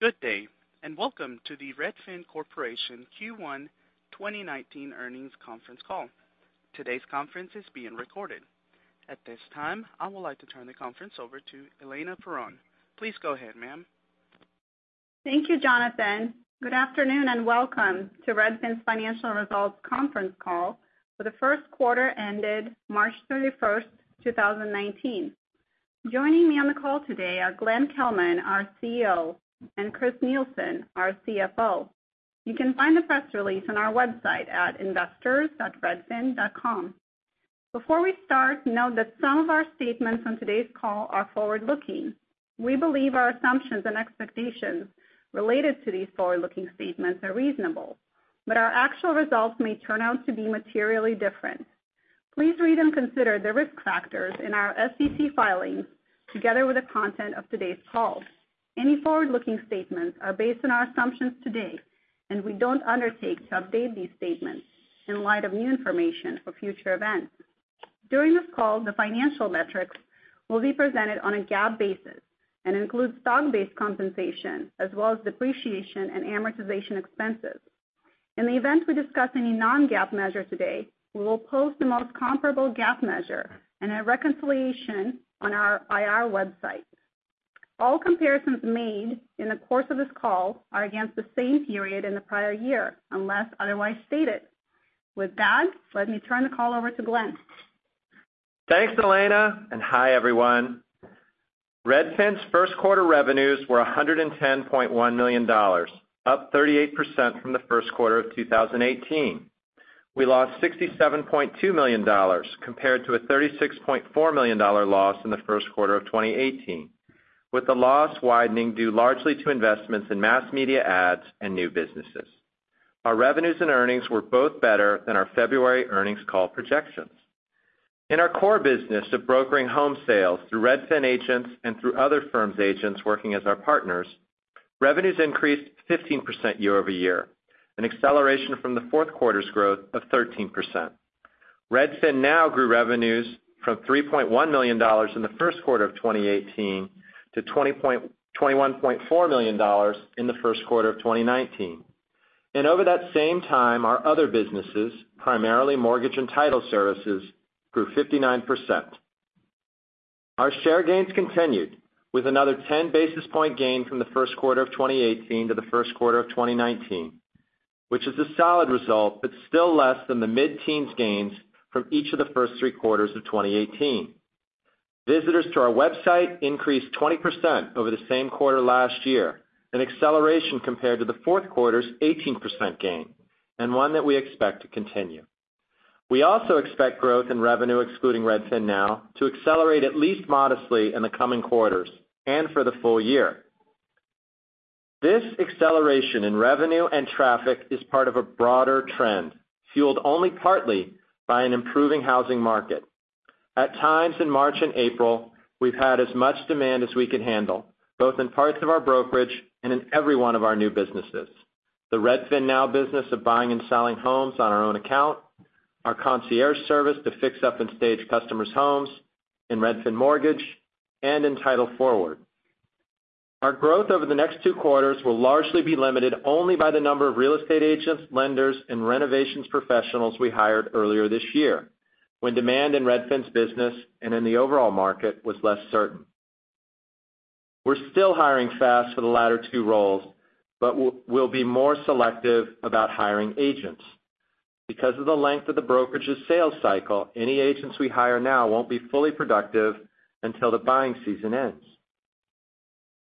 Good day, welcome to the Redfin Corporation Q1 2019 earnings conference call. Today's conference is being recorded. At this time, I would like to turn the conference over to Elena Perron. Please go ahead, ma'am. Thank you, Jonathan. Good afternoon, welcome to Redfin's financial results conference call for the first quarter ended March 31st, 2019. Joining me on the call today are Glenn Kelman, our CEO, and Chris Nielsen, our CFO. You can find the press release on our website at investors.redfin.com. Before we start, note that some of our statements on today's call are forward-looking. We believe our assumptions and expectations related to these forward-looking statements are reasonable, our actual results may turn out to be materially different. Please read and consider the risk factors in our SEC filings, together with the content of today's call. Any forward-looking statements are based on our assumptions today, we don't undertake to update these statements in light of new information or future events. During this call, the financial metrics will be presented on a GAAP basis includes stock-based compensation as well as depreciation and amortization expenses. In the event we discuss any non-GAAP measure today, we will post the most comparable GAAP measure and a reconciliation on our IR website. All comparisons made in the course of this call are against the same period in the prior year, unless otherwise stated. With that, let me turn the call over to Glenn. Thanks, Elena, hi, everyone. Redfin's first quarter revenues were $110.1 million, up 38% from the first quarter of 2018. We lost $67.2 million, compared to a $36.4 million loss in the first quarter of 2018, with the loss widening due largely to investments in mass media ads and new businesses. Our revenues and earnings were both better than our February earnings call projections. In our core business of brokering home sales through Redfin agents and through other firms' agents working as our partners, revenues increased 15% year-over-year, an acceleration from the fourth quarter's growth of 13%. RedfinNow grew revenues from $3.1 million in the first quarter of 2018 to $21.4 million in the first quarter of 2019. Over that same time, our other businesses, primarily mortgage and title services, grew 59%. Our share gains continued with another 10-basis point gain from the first quarter of 2018 to the first quarter of 2019, which is a solid result, but still less than the mid-teens gains from each of the first three quarters of 2018. Visitors to our website increased 20% over the same quarter last year, an acceleration compared to the fourth quarter's 18% gain, and one that we expect to continue. We also expect growth in revenue excluding RedfinNow to accelerate at least modestly in the coming quarters and for the full year. This acceleration in revenue and traffic is part of a broader trend, fueled only partly by an improving housing market. At times in March and April, we've had as much demand as we can handle, both in parts of our brokerage and in every one of our new businesses, the RedfinNow business of buying and selling homes on our own account, our concierge service to fix up and stage customers' homes, in Redfin Mortgage, and in Title Forward. Our growth over the next two quarters will largely be limited only by the number of real estate agents, lenders, and renovations professionals we hired earlier this year, when demand in Redfin's business and in the overall market was less certain. We're still hiring fast for the latter two roles, but we'll be more selective about hiring agents. Because of the length of the brokerage's sales cycle, any agents we hire now won't be fully productive until the buying season ends.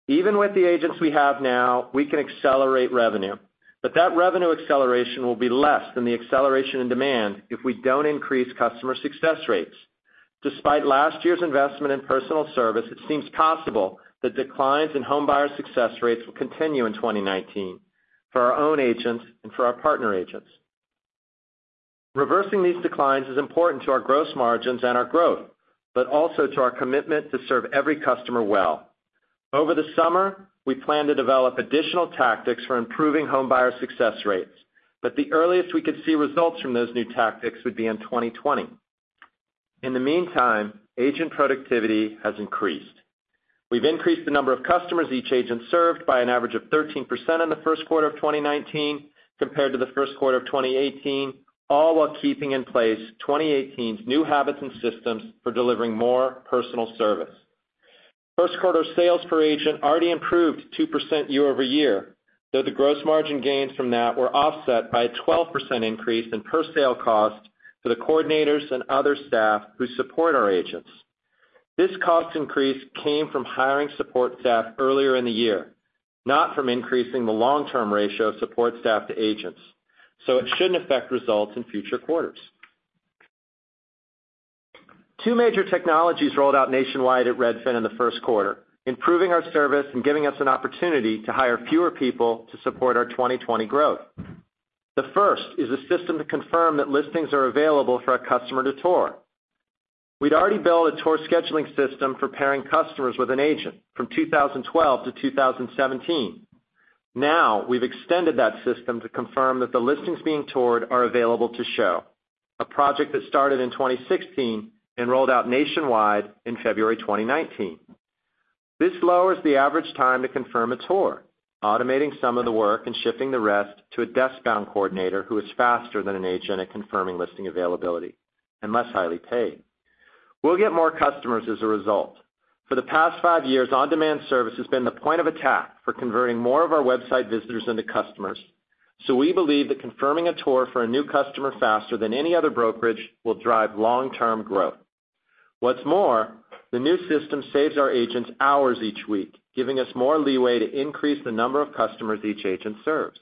Even with the agents we have now, we can accelerate revenue, but that revenue acceleration will be less than the acceleration in demand if we don't increase customer success rates. Despite last year's investment in personal service, it seems possible that declines in homebuyer success rates will continue in 2019 for our own agents and for our partner agents. Reversing these declines is important to our gross margins and our growth, but also to our commitment to serve every customer well. Over the summer, we plan to develop additional tactics for improving homebuyer success rates, but the earliest we could see results from those new tactics would be in 2020. In the meantime, agent productivity has increased. We've increased the number of customers each agent served by an average of 13% in the first quarter of 2019 compared to the first quarter of 2018, all while keeping in place 2018's new habits and systems for delivering more personal service. First quarter sales per agent already improved 2% year-over-year, though the gross margin gains from that were offset by a 12% increase in per-sale cost to the coordinators and other staff who support our agents. This cost increase came from hiring support staff earlier in the year, not from increasing the long-term ratio of support staff to agents, so it shouldn't affect results in future quarters. Two major technologies rolled out nationwide at Redfin in the first quarter, improving our service and giving us an opportunity to hire fewer people to support our 2020 growth. The first is a system to confirm that listings are available for a customer to tour. We'd already built a tour scheduling system for pairing customers with an agent from 2012 to 2017. Now, we've extended that system to confirm that the listings being toured are available to show, a project that started in 2016 and rolled out nationwide in February 2019. This lowers the average time to confirm a tour, automating some of the work and shifting the rest to a desk-bound coordinator who is faster than an agent at confirming listing availability, and less highly paid. We'll get more customers as a result. For the past five years, on-demand service has been the point of attack for converting more of our website visitors into customers. We believe that confirming a tour for a new customer faster than any other brokerage will drive long-term growth. What's more, the new system saves our agents hours each week, giving us more leeway to increase the number of customers each agent serves.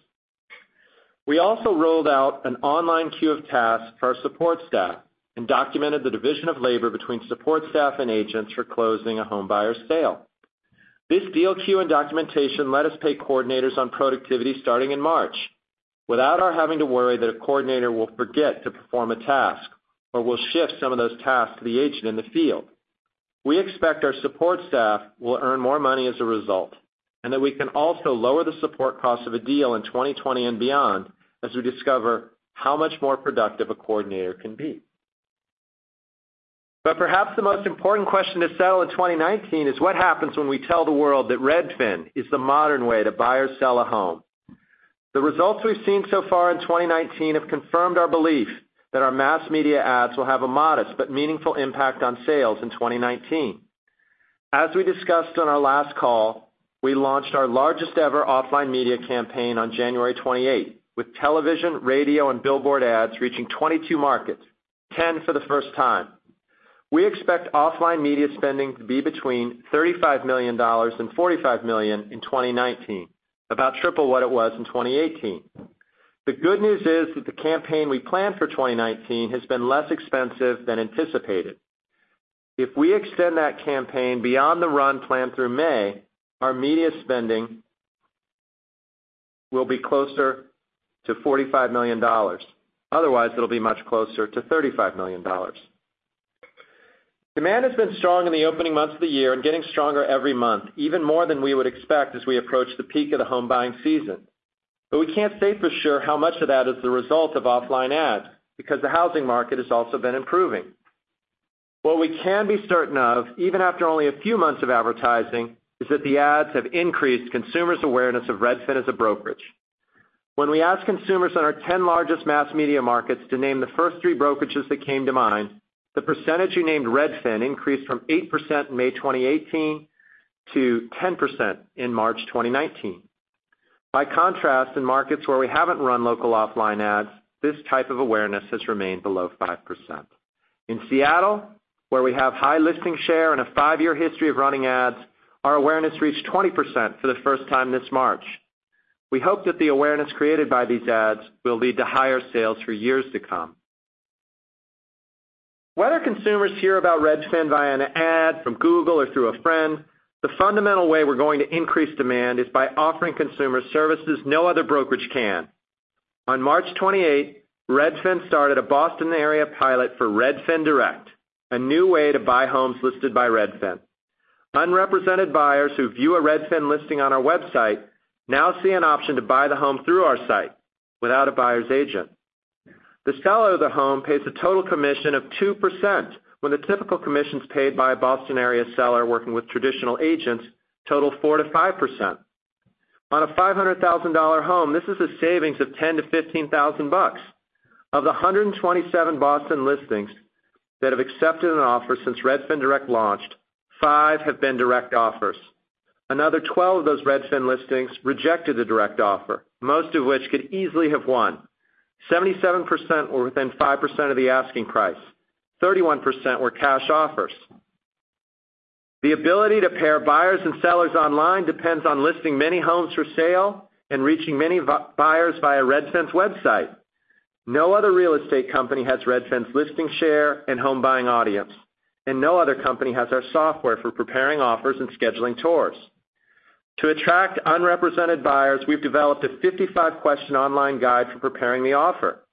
We also rolled out an online queue of tasks for our support staff and documented the division of labor between support staff and agents for closing a homebuyer's sale. This deal queue and documentation let us pay coordinators on productivity starting in March, without our having to worry that a coordinator will forget to perform a task or will shift some of those tasks to the agent in the field. We expect our support staff will earn more money as a result, and that we can also lower the support cost of a deal in 2020 and beyond as we discover how much more productive a coordinator can be. Perhaps the most important question to settle in 2019 is what happens when we tell the world that Redfin is the modern way to buy or sell a home. The results we've seen so far in 2019 have confirmed our belief that our mass media ads will have a modest but meaningful impact on sales in 2019. As we discussed on our last call, we launched our largest-ever offline media campaign on January 28, with television, radio, and billboard ads reaching 22 markets, 10 for the first time. We expect offline media spending to be between $35 million and $45 million in 2019, about triple what it was in 2018. The good news is that the campaign we planned for 2019 has been less expensive than anticipated. If we extend that campaign beyond the run planned through May, our media spending will be closer to $45 million. Otherwise, it'll be much closer to $35 million. Demand has been strong in the opening months of the year and getting stronger every month, even more than we would expect as we approach the peak of the home buying season. We can't say for sure how much of that is the result of offline ads, because the housing market has also been improving. What we can be certain of, even after only a few months of advertising, is that the ads have increased consumers' awareness of Redfin as a brokerage. When we ask consumers in our 10 largest mass media markets to name the first three brokerages that came to mind, the percentage who named Redfin increased from 8% in May 2018 to 10% in March 2019. By contrast, in markets where we haven't run local offline ads, this type of awareness has remained below 5%. In Seattle, where we have high listing share and a five-year history of running ads, our awareness reached 20% for the first time this March. We hope that the awareness created by these ads will lead to higher sales for years to come. Whether consumers hear about Redfin via an ad, from Google, or through a friend, the fundamental way we're going to increase demand is by offering consumers services no other brokerage can. On March 28, Redfin started a Boston-area pilot for Redfin Direct, a new way to buy homes listed by Redfin. Unrepresented buyers who view a Redfin listing on our website now see an option to buy the home through our site without a buyer's agent. The seller of the home pays a total commission of 2%, when the typical commissions paid by a Boston-area seller working with traditional agents total 4%-5%. On a $500,000 home, this is a savings of $10,000-$15,000. Of the 127 Boston listings that have accepted an offer since Redfin Direct launched, five have been direct offers. Another 12 of those Redfin listings rejected the direct offer, most of which could easily have won. 77% were within 5% of the asking price. 31% were cash offers. The ability to pair buyers and sellers online depends on listing many homes for sale and reaching many buyers via Redfin's website. No other real estate company has Redfin's listing share and home buying audience, and no other company has our software for preparing offers and scheduling tours. To attract unrepresented buyers, we've developed a 55-question online guide for preparing the offer.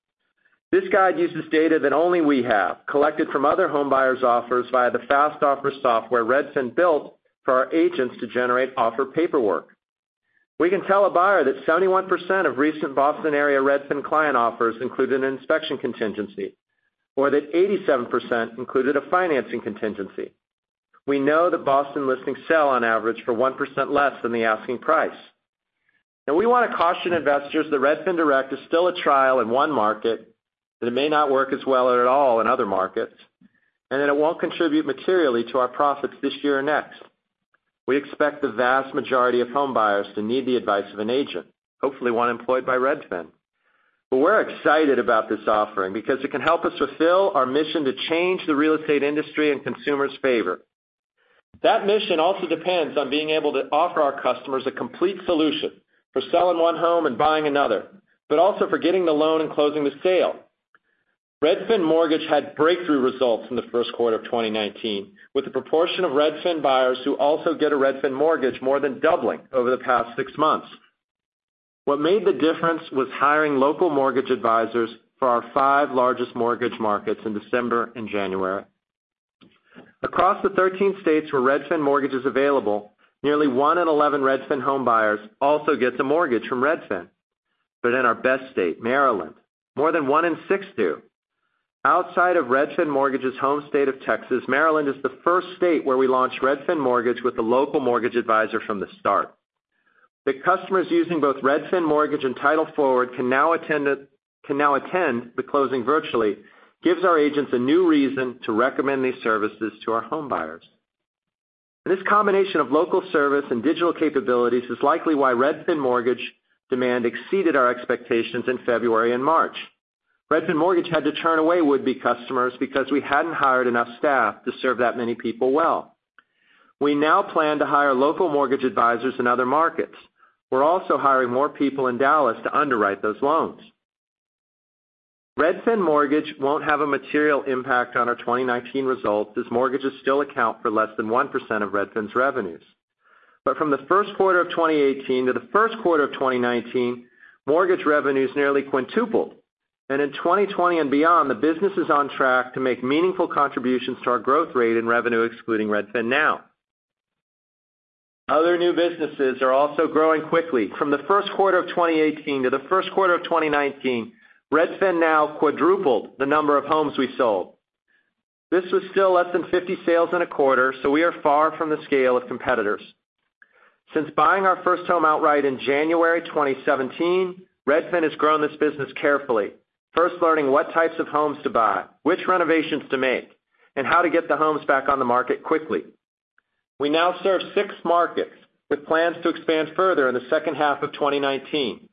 This guide uses data that only we have, collected from other home buyers' offers via the Fast Offers software Redfin built for our agents to generate offer paperwork. We can tell a buyer that 71% of recent Boston-area Redfin client offers included an inspection contingency, or that 87% included a financing contingency. We know that Boston listings sell on average for 1% less than the asking price. We want to caution investors that Redfin Direct is still a trial in one market, that it may not work as well at all in other markets, and that it won't contribute materially to our profits this year or next. We expect the vast majority of home buyers to need the advice of an agent, hopefully one employed by Redfin. We're excited about this offering because it can help us fulfill our mission to change the real estate industry in consumers' favor. That mission also depends on being able to offer our customers a complete solution for selling one home and buying another, also for getting the loan and closing the sale. Redfin Mortgage had breakthrough results in the first quarter of 2019, with the proportion of Redfin buyers who also get a Redfin Mortgage more than doubling over the past six months. What made the difference was hiring local mortgage advisors for our five largest mortgage markets in December and January. Across the 13 states where Redfin Mortgage is available, nearly one in 11 Redfin homebuyers also gets a mortgage from Redfin. In our best state, Maryland, more than one in six do. Outside of Redfin Mortgage's home state of Texas, Maryland is the first state where we launched Redfin Mortgage with a local mortgage advisor from the start. The customers using both Redfin Mortgage and Title Forward can now attend the closing virtually, gives our agents a new reason to recommend these services to our home buyers. This combination of local service and digital capabilities is likely why Redfin Mortgage demand exceeded our expectations in February and March. Redfin Mortgage had to turn away would-be customers because we hadn't hired enough staff to serve that many people well. We now plan to hire local mortgage advisors in other markets. We're also hiring more people in Dallas to underwrite those loans. Redfin Mortgage won't have a material impact on our 2019 results, as mortgages still account for less than 1% of Redfin's revenues. From the first quarter of 2018 to the first quarter of 2019, mortgage revenues nearly quintupled. In 2020 and beyond, the business is on track to make meaningful contributions to our growth rate in revenue, excluding RedfinNow. Other new businesses are also growing quickly. From the first quarter of 2018 to the first quarter of 2019, RedfinNow quadrupled the number of homes we sold. This was still less than 50 sales in a quarter, so we are far from the scale of competitors. Since buying our first home outright in January 2017, Redfin has grown this business carefully, first learning what types of homes to buy, which renovations to make, and how to get the homes back on the market quickly. We now serve six markets, with plans to expand further in the second half of 2019.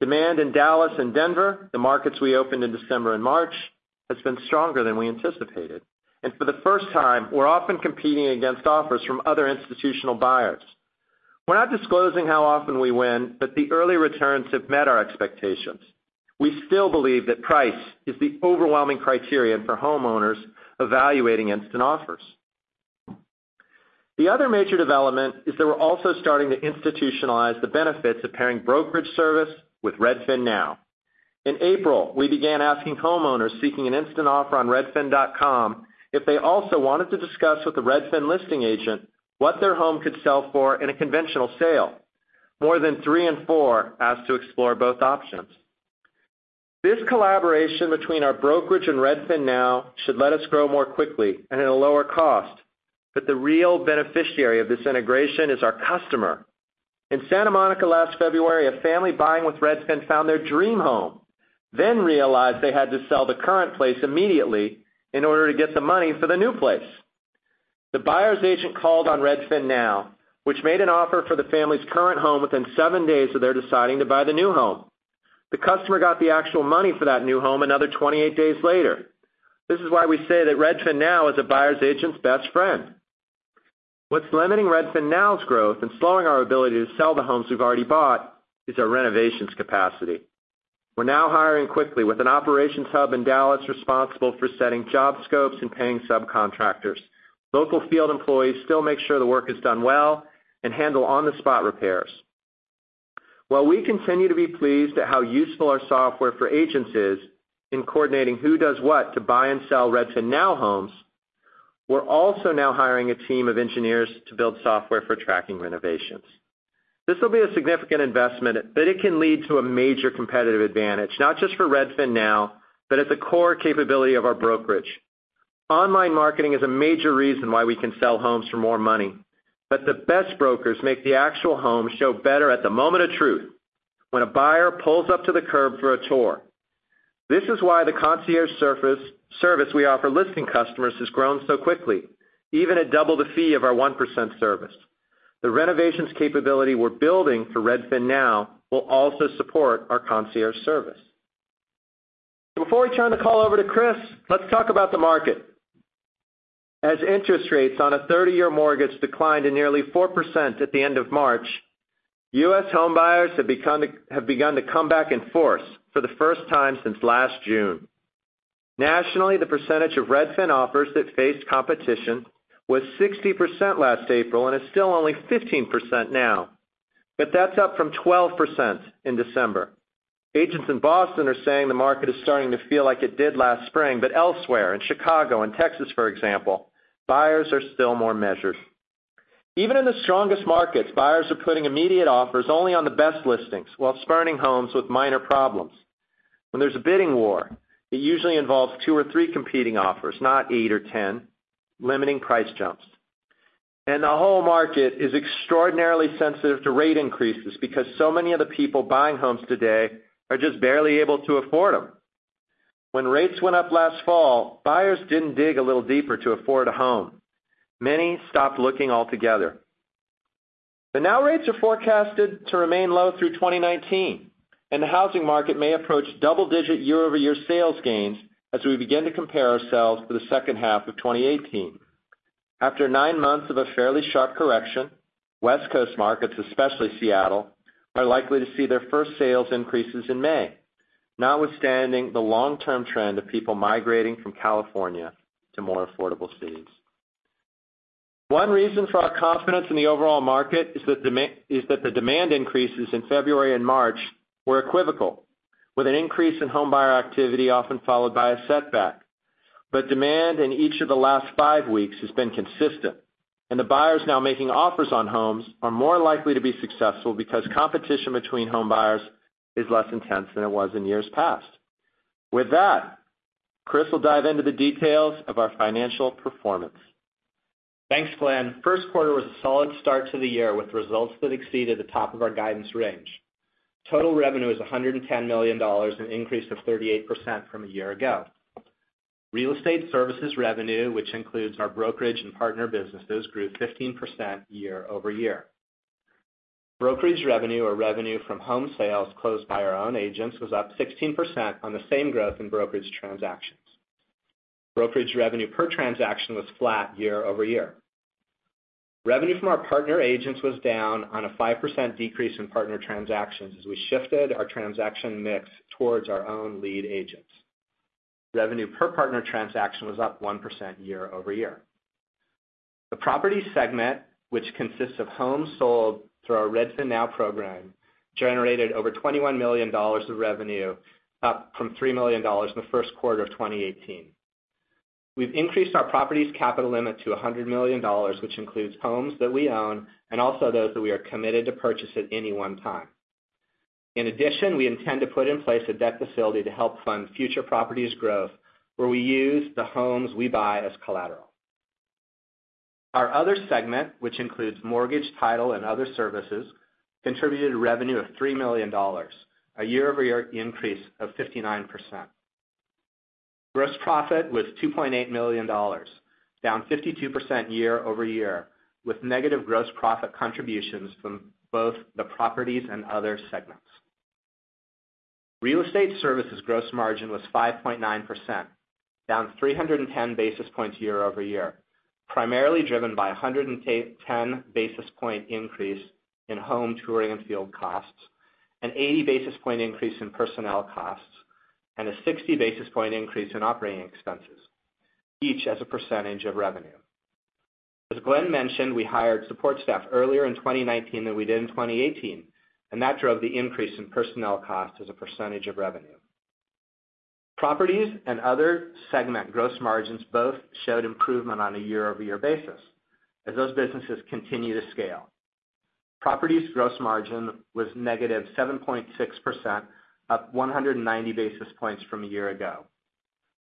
Demand in Dallas and Denver, the markets we opened in December and March, has been stronger than we anticipated, and for the first time, we're often competing against offers from other institutional buyers. We're not disclosing how often we win, but the early returns have met our expectations. We still believe that price is the overwhelming criterion for homeowners evaluating instant offers. The other major development is that we're also starting to institutionalize the benefits of pairing brokerage service with Redfin Now. In April, we began asking homeowners seeking an instant offer on redfin.com, if they also wanted to discuss with a Redfin listing agent what their home could sell for in a conventional sale. More than three in four asked to explore both options. This collaboration between our brokerage and Redfin Now should let us grow more quickly and at a lower cost, but the real beneficiary of this integration is our customer. In Santa Monica last February, a family buying with Redfin found their dream home, then realized they had to sell the current place immediately in order to get the money for the new place. The buyer's agent called on Redfin Now, which made an offer for the family's current home within seven days of their deciding to buy the new home. The customer got the actual money for that new home another 28 days later. This is why we say that Redfin Now is a buyer's agent's best friend. What's limiting Redfin Now's growth and slowing our ability to sell the homes we've already bought is our renovations capacity. We're now hiring quickly with an operations hub in Dallas responsible for setting job scopes and paying subcontractors. Local field employees still make sure the work is done well and handle on-the-spot repairs. While we continue to be pleased at how useful our software for agents is in coordinating who does what to buy and sell RedfinNow homes, we're also now hiring a team of engineers to build software for tracking renovations. This will be a significant investment, but it can lead to a major competitive advantage, not just for RedfinNow, but as a core capability of our brokerage. Online marketing is a major reason why we can sell homes for more money. The best brokers make the actual home show better at the moment of truth, when a buyer pulls up to the curb for a tour. This is why the Redfin Concierge Service we offer listing customers has grown so quickly, even at double the fee of our 1% service. The renovations capability we're building for RedfinNow will also support our Redfin Concierge Service. Before we turn the call over to Chris, let's talk about the market. As interest rates on a 30-year mortgage declined to nearly 4% at the end of March, U.S. homebuyers have begun to come back in force for the first time since last June. Nationally, the percentage of Redfin offers that faced competition was 60% last April and is still only 15% now. That's up from 12% in December. Agents in Boston are saying the market is starting to feel like it did last spring, but elsewhere, in Chicago and Texas, for example, buyers are still more measured. Even in the strongest markets, buyers are putting immediate offers only on the best listings while spurning homes with minor problems. When there's a bidding war, it usually involves two or three competing offers, not 8 or 10, limiting price jumps. The whole market is extraordinarily sensitive to rate increases because so many of the people buying homes today are just barely able to afford them. When rates went up last fall, buyers didn't dig a little deeper to afford a home. Many stopped looking altogether. Now rates are forecasted to remain low through 2019, and the housing market may approach double-digit year-over-year sales gains as we begin to compare ourselves to the second half of 2018. After nine months of a fairly sharp correction, West Coast markets, especially Seattle, are likely to see their first sales increases in May, notwithstanding the long-term trend of people migrating from California to more affordable cities. One reason for our confidence in the overall market is that the demand increases in February and March were equivocal, with an increase in home buyer activity often followed by a setback. Demand in each of the last five weeks has been consistent, and the buyers now making offers on homes are more likely to be successful because competition between home buyers is less intense than it was in years past. With that, Chris will dive into the details of our financial performance. Thanks, Glenn. First quarter was a solid start to the year, with results that exceeded the top of our guidance range. Total revenue is $110 million, an increase of 38% from a year ago. Real estate services revenue, which includes our brokerage and partner businesses, grew 15% year-over-year. Brokerage revenue or revenue from home sales closed by our own agents was up 16% on the same growth in brokerage transactions. Brokerage revenue per transaction was flat year-over-year. Revenue from our partner agents was down on a 5% decrease in partner transactions as we shifted our transaction mix towards our own lead agents. Revenue per partner transaction was up 1% year-over-year. The property segment, which consists of homes sold through our RedfinNow program, generated over $21 million of revenue, up from $3 million in the first quarter of 2018. We've increased our properties capital limit to $100 million, which includes homes that we own and also those that we are committed to purchase at any one time. In addition, we intend to put in place a debt facility to help fund future properties growth, where we use the homes we buy as collateral. Our other segment, which includes mortgage, title, and other services, contributed revenue of $3 million, a year-over-year increase of 59%. Gross profit was $2.8 million, down 52% year-over-year with negative gross profit contributions from both the properties and other segments. Real estate services gross margin was 5.9%, down 310 basis points year-over-year, primarily driven by 110 basis point increase in home touring and field costs, an 80 basis point increase in personnel costs, and a 60 basis point increase in operating expenses, each as a percentage of revenue. As Glenn mentioned, we hired support staff earlier in 2019 than we did in 2018. That drove the increase in personnel cost as a percentage of revenue. Properties and other segment gross margins both showed improvement on a year-over-year basis as those businesses continue to scale. Properties gross margin was negative 7.6%, up 190 basis points from a year ago.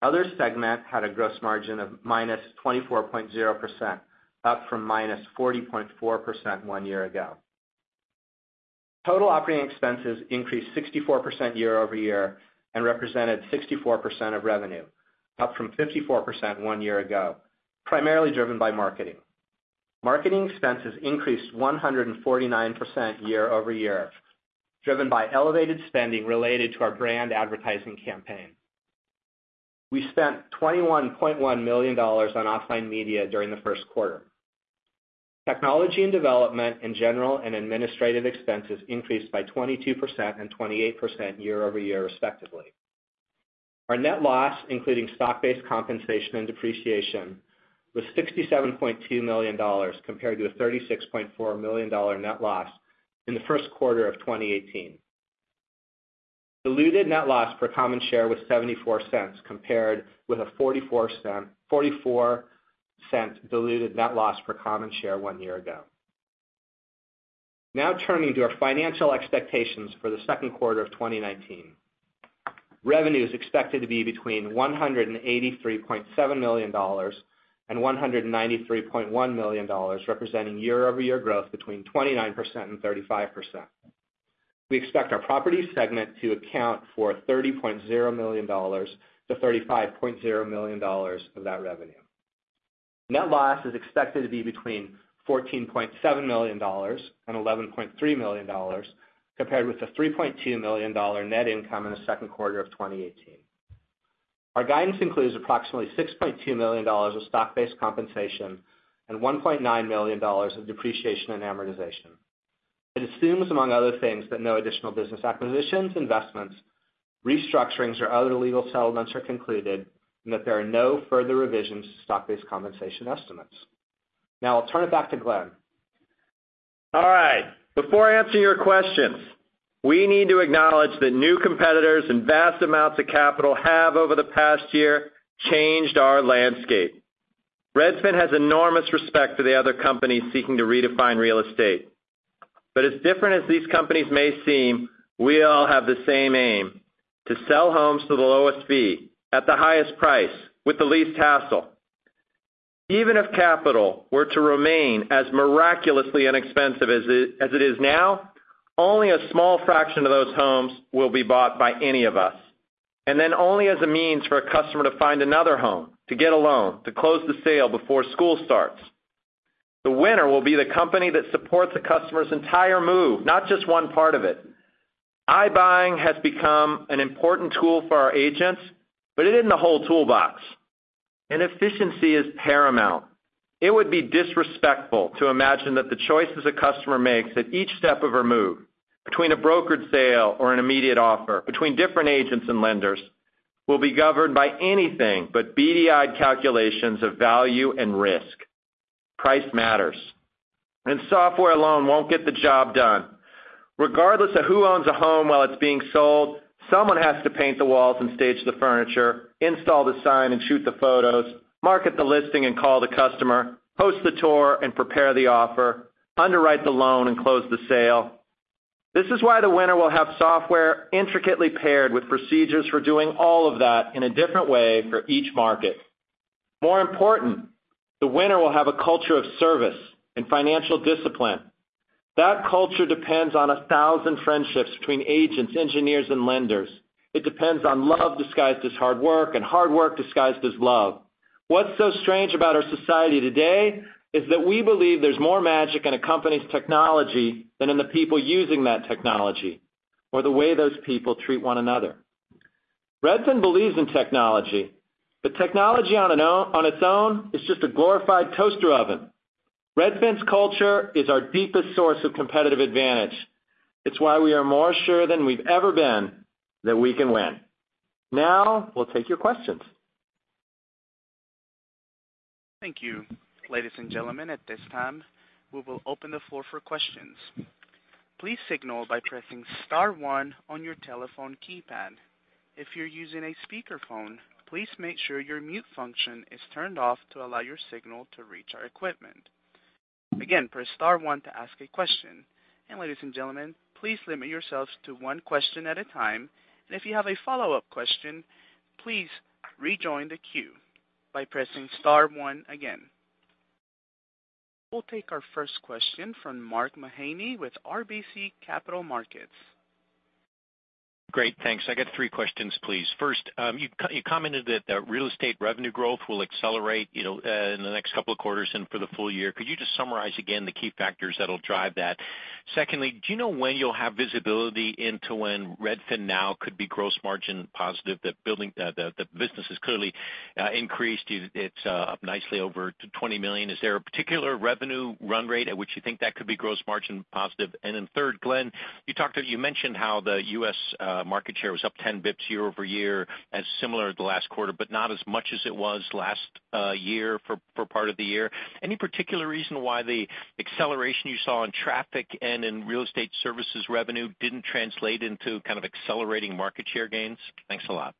Other segment had a gross margin of -24.0%, up from -40.4% one year ago. Total operating expenses increased 64% year-over-year and represented 64% of revenue, up from 54% one year ago, primarily driven by marketing. Marketing expenses increased 149% year-over-year, driven by elevated spending related to our brand advertising campaign. We spent $21.1 million on offline media during the first quarter. Technology and development in general and administrative expenses increased by 22% and 28% year-over-year respectively. Our net loss, including stock-based compensation and depreciation, was $67.2 million compared to a $36.4 million net loss in the first quarter of 2018. Diluted net loss per common share was $0.74, compared with a $0.44 diluted net loss per common share one year ago. Turning to our financial expectations for the second quarter of 2019. Revenue is expected to be between $183.7 million and $193.1 million, representing year-over-year growth between 29% and 35%. We expect our property segment to account for $30.0 million-$35.0 million of that revenue. Net loss is expected to be between $14.7 million and $11.3 million compared with the $3.2 million net income in the second quarter of 2018. Our guidance includes approximately $6.2 million of stock-based compensation and $1.9 million of depreciation and amortization. It assumes, among other things, that no additional business acquisitions, investments, restructurings, or other legal settlements are concluded and that there are no further revisions to stock-based compensation estimates. Now I'll turn it back to Glenn. All right. Before I answer your questions, we need to acknowledge that new competitors and vast amounts of capital have, over the past year, changed our landscape. Redfin has enormous respect for the other companies seeking to redefine real estate. As different as these companies may seem, we all have the same aim: to sell homes for the lowest fee at the highest price with the least hassle. Even if capital were to remain as miraculously inexpensive as it is now, only a small fraction of those homes will be bought by any of us, and then only as a means for a customer to find another home, to get a loan, to close the sale before school starts. The winner will be the company that supports the customer's entire move, not just one part of it. iBuying has become an important tool for our agents, but it isn't the whole toolbox. Efficiency is paramount. It would be disrespectful to imagine that the choices a customer makes at each step of her move, between a brokered sale or an immediate offer, between different agents and lenders will be governed by anything but beady-eyed calculations of value and risk. Price matters, software alone won't get the job done. Regardless of who owns a home while it's being sold, someone has to paint the walls and stage the furniture, install the sign and shoot the photos, market the listing and call the customer, host the tour and prepare the offer, underwrite the loan and close the sale. This is why the winner will have software intricately paired with procedures for doing all of that in a different way for each market. More important, the winner will have a culture of service and financial discipline. That culture depends on a thousand friendships between agents, engineers, and lenders. It depends on love disguised as hard work and hard work disguised as love. What's so strange about our society today is that we believe there's more magic in a company's technology than in the people using that technology or the way those people treat one another. Redfin believes in technology on its own is just a glorified toaster oven. Redfin's culture is our deepest source of competitive advantage. It's why we are more sure than we've ever been that we can win. We'll take your questions. Thank you. Ladies and gentlemen, at this time, we will open the floor for questions. Please signal by pressing star one on your telephone keypad. If you're using a speakerphone, please make sure your mute function is turned off to allow your signal to reach our equipment. Again, press star one to ask a question. Ladies and gentlemen, please limit yourselves to one question at a time, and if you have a follow-up question, please rejoin the queue by pressing star one again. We'll take our first question from Mark Mahaney with RBC Capital Markets. Great. Thanks. I got three questions, please. First, you commented that the real estate revenue growth will accelerate in the next couple of quarters and for the full year. Could you just summarize again the key factors that'll drive that? Secondly, do you know when you'll have visibility into when RedfinNow could be gross margin positive? The business has clearly increased. It's up nicely over to $20 million. Is there a particular revenue run rate at which you think that could be gross margin positive? Then third, Glenn, you mentioned how the U.S. market share was up 10 bips year-over-year as similar to last quarter, but not as much as it was last year for part of the year. Any particular reason why the acceleration you saw in traffic and in real estate services revenue didn't translate into kind of accelerating market share gains? Thanks a lot.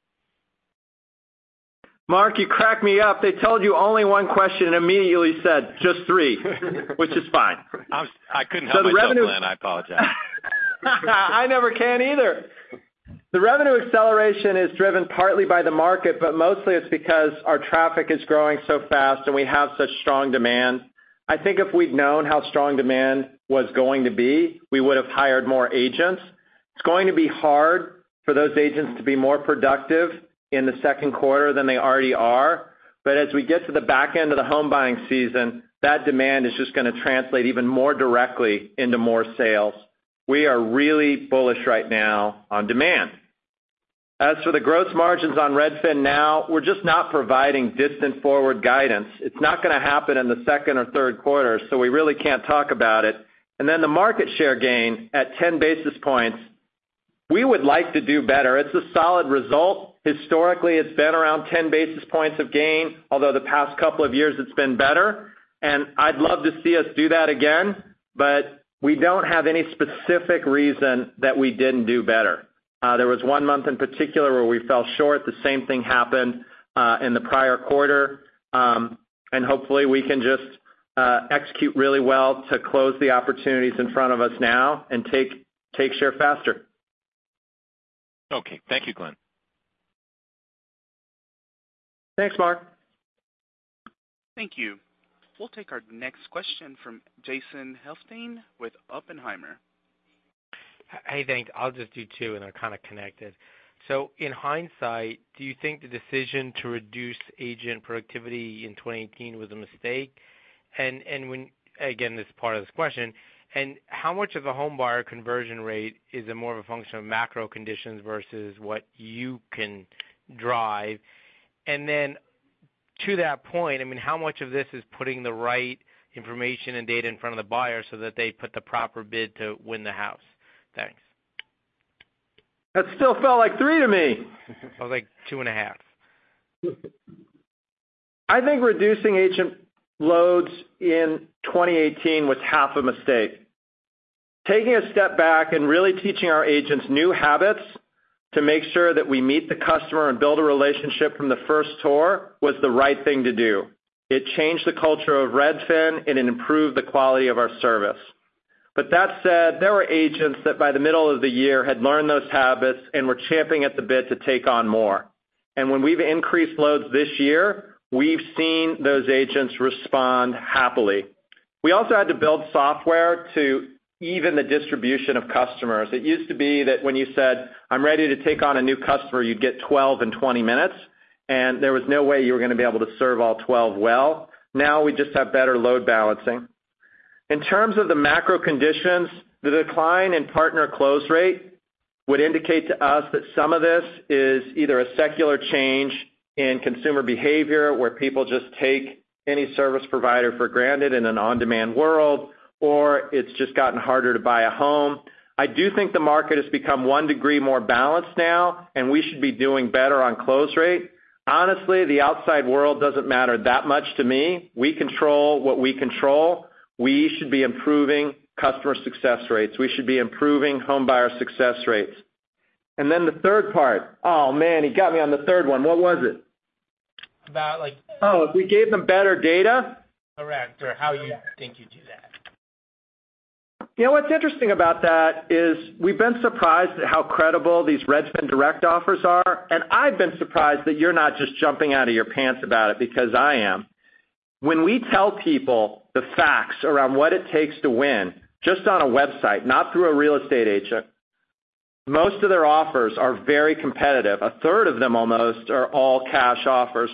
Mark, you crack me up. They told you only one question, and immediately said, just three, which is fine. I couldn't help myself, Glenn. I apologize. I never can either. The revenue acceleration is driven partly by the market, but mostly it's because our traffic is growing so fast, and we have such strong demand. I think if we'd known how strong demand was going to be, we would've hired more agents. It's going to be hard for those agents to be more productive in the second quarter than they already are. As we get to the back end of the home buying season, that demand is just going to translate even more directly into more sales. We are really bullish right now on demand. As for the gross margins on RedfinNow, we're just not providing distant forward guidance. It's not going to happen in the second or third quarter, so we really can't talk about it. The market share gain at 10 basis points, we would like to do better. It's a solid result. Historically, it's been around 10 basis points of gain, although the past couple of years it's been better, and I'd love to see us do that again. We don't have any specific reason that we didn't do better. There was one month in particular where we fell short. The same thing happened in the prior quarter. Hopefully we can just execute really well to close the opportunities in front of us now and take share faster. Okay. Thank you, Glenn. Thanks, Mark. Thank you. We'll take our next question from Jason Helfstein with Oppenheimer. Hey, thanks. I'll just do two, and they're kind of connected. In hindsight, do you think the decision to reduce agent productivity in 2018 was a mistake? Again, this is part of this question, and how much of a home buyer conversion rate is a more of a function of macro conditions versus what you can drive? To that point, how much of this is putting the right information and data in front of the buyer so that they put the proper bid to win the house? Thanks. That still felt like three to me. It was like two and a half. I think reducing agent loads in 2018 was half a mistake. Taking a step back and really teaching our agents new habits to make sure that we meet the customer and build a relationship from the first tour was the right thing to do. It changed the culture of Redfin, and it improved the quality of our service. That said, there were agents that by the middle of the year, had learned those habits and were champing at the bit to take on more. When we've increased loads this year, we've seen those agents respond happily. We also had to build software to even the distribution of customers. It used to be that when you said, "I'm ready to take on a new customer," you'd get 12 in 20 minutes, and there was no way you were going to be able to serve all 12 well. Now we just have better load balancing. In terms of the macro conditions, the decline in partner close rate would indicate to us that some of this is either a secular change in consumer behavior, where people just take any service provider for granted in an on-demand world, or it's just gotten harder to buy a home. I do think the market has become 1 degree more balanced now, and we should be doing better on close rate. Honestly, the outside world doesn't matter that much to me. We control what we control. We should be improving customer success rates. We should be improving home buyer success rates. Then the third part Oh, man, he got me on the third one. What was it? About like- Oh, if we gave them better data? Correct. How you think you'd do that. What's interesting about that is we've been surprised at how credible these Redfin Direct offers are, I've been surprised that you're not just jumping out of your pants about it, because I am. When we tell people the facts around what it takes to win, just on a website, not through a real estate agent, most of their offers are very competitive. A third of them almost are all-cash offers.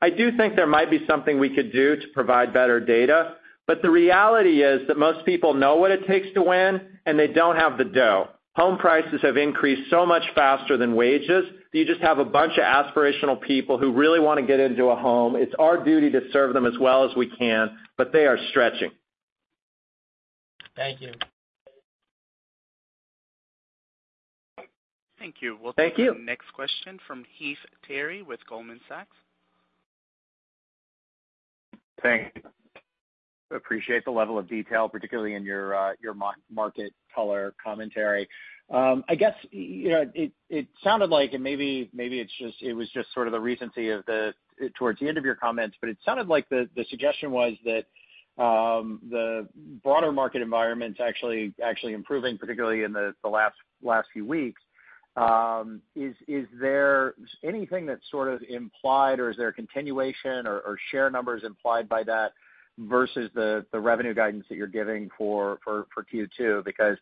I do think there might be something we could do to provide better data. The reality is that most people know what it takes to win and they don't have the dough. Home prices have increased so much faster than wages, that you just have a bunch of aspirational people who really want to get into a home. It's our duty to serve them as well as we can, but they are stretching. Thank you. Thank you. Thank you. We'll take the next question from Heath Terry with Goldman Sachs. Thanks. Appreciate the level of detail, particularly in your market color commentary. I guess, it sounded like, and maybe it was just sort of the recency towards the end of your comments, but it sounded like the suggestion was that the broader market environment's actually improving, particularly in the last few weeks. Is there anything that's sort of implied, or is there a continuation or share numbers implied by that versus the revenue guidance that you're giving for Q2? Because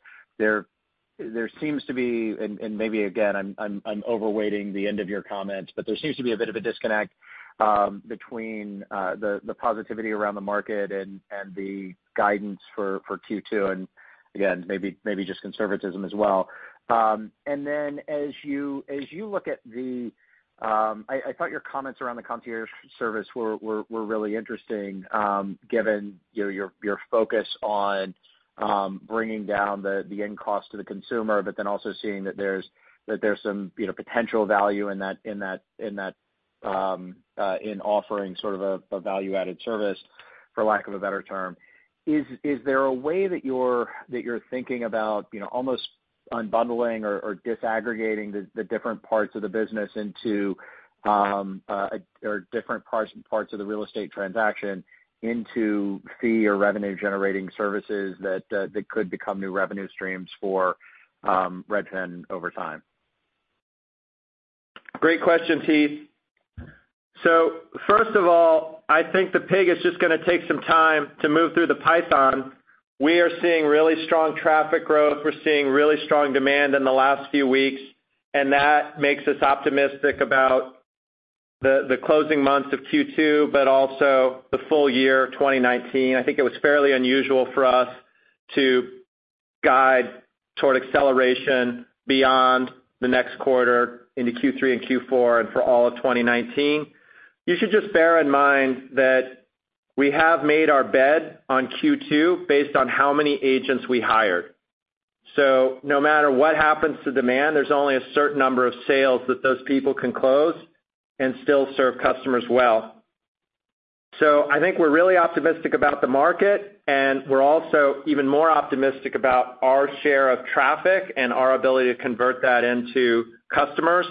there seems to be, and maybe again, I'm overweighting the end of your comment, but there seems to be a bit of a disconnect between the positivity around the market and the guidance for Q2. Again, maybe just conservatism as well. As you look at the, I thought your comments around the Concierge Service were really interesting, given your focus on bringing down the end cost to the consumer, but then also seeing that there's some potential value in offering sort of a value-added service, for lack of a better term. Is there a way that you're thinking about almost unbundling or disaggregating the different parts of the business into, or different parts of the real estate transaction into fee or revenue-generating services that could become new revenue streams for Redfin over time? Great question, Heath. First of all, I think the pig is just going to take some time to move through the python. We are seeing really strong traffic growth. We're seeing really strong demand in the last few weeks, and that makes us optimistic about the closing months of Q2 but also the full year of 2019. I think it was fairly unusual for us to guide toward acceleration beyond the next quarter into Q3 and Q4 and for all of 2019. You should just bear in mind that we have made our bed on Q2 based on how many agents we hired. No matter what happens to demand, there's only a certain number of sales that those people can close and still serve customers well. I think we're really optimistic about the market, and we're also even more optimistic about our share of traffic and our ability to convert that into customers.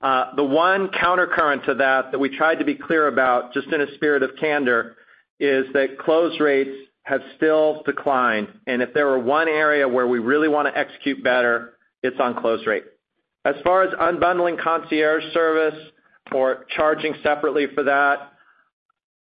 The one countercurrent to that we tried to be clear about, just in a spirit of candor, is that close rates have still declined, and if there were one area where we really want to execute better, it's on close rate. As far as unbundling Concierge Service or charging separately for that,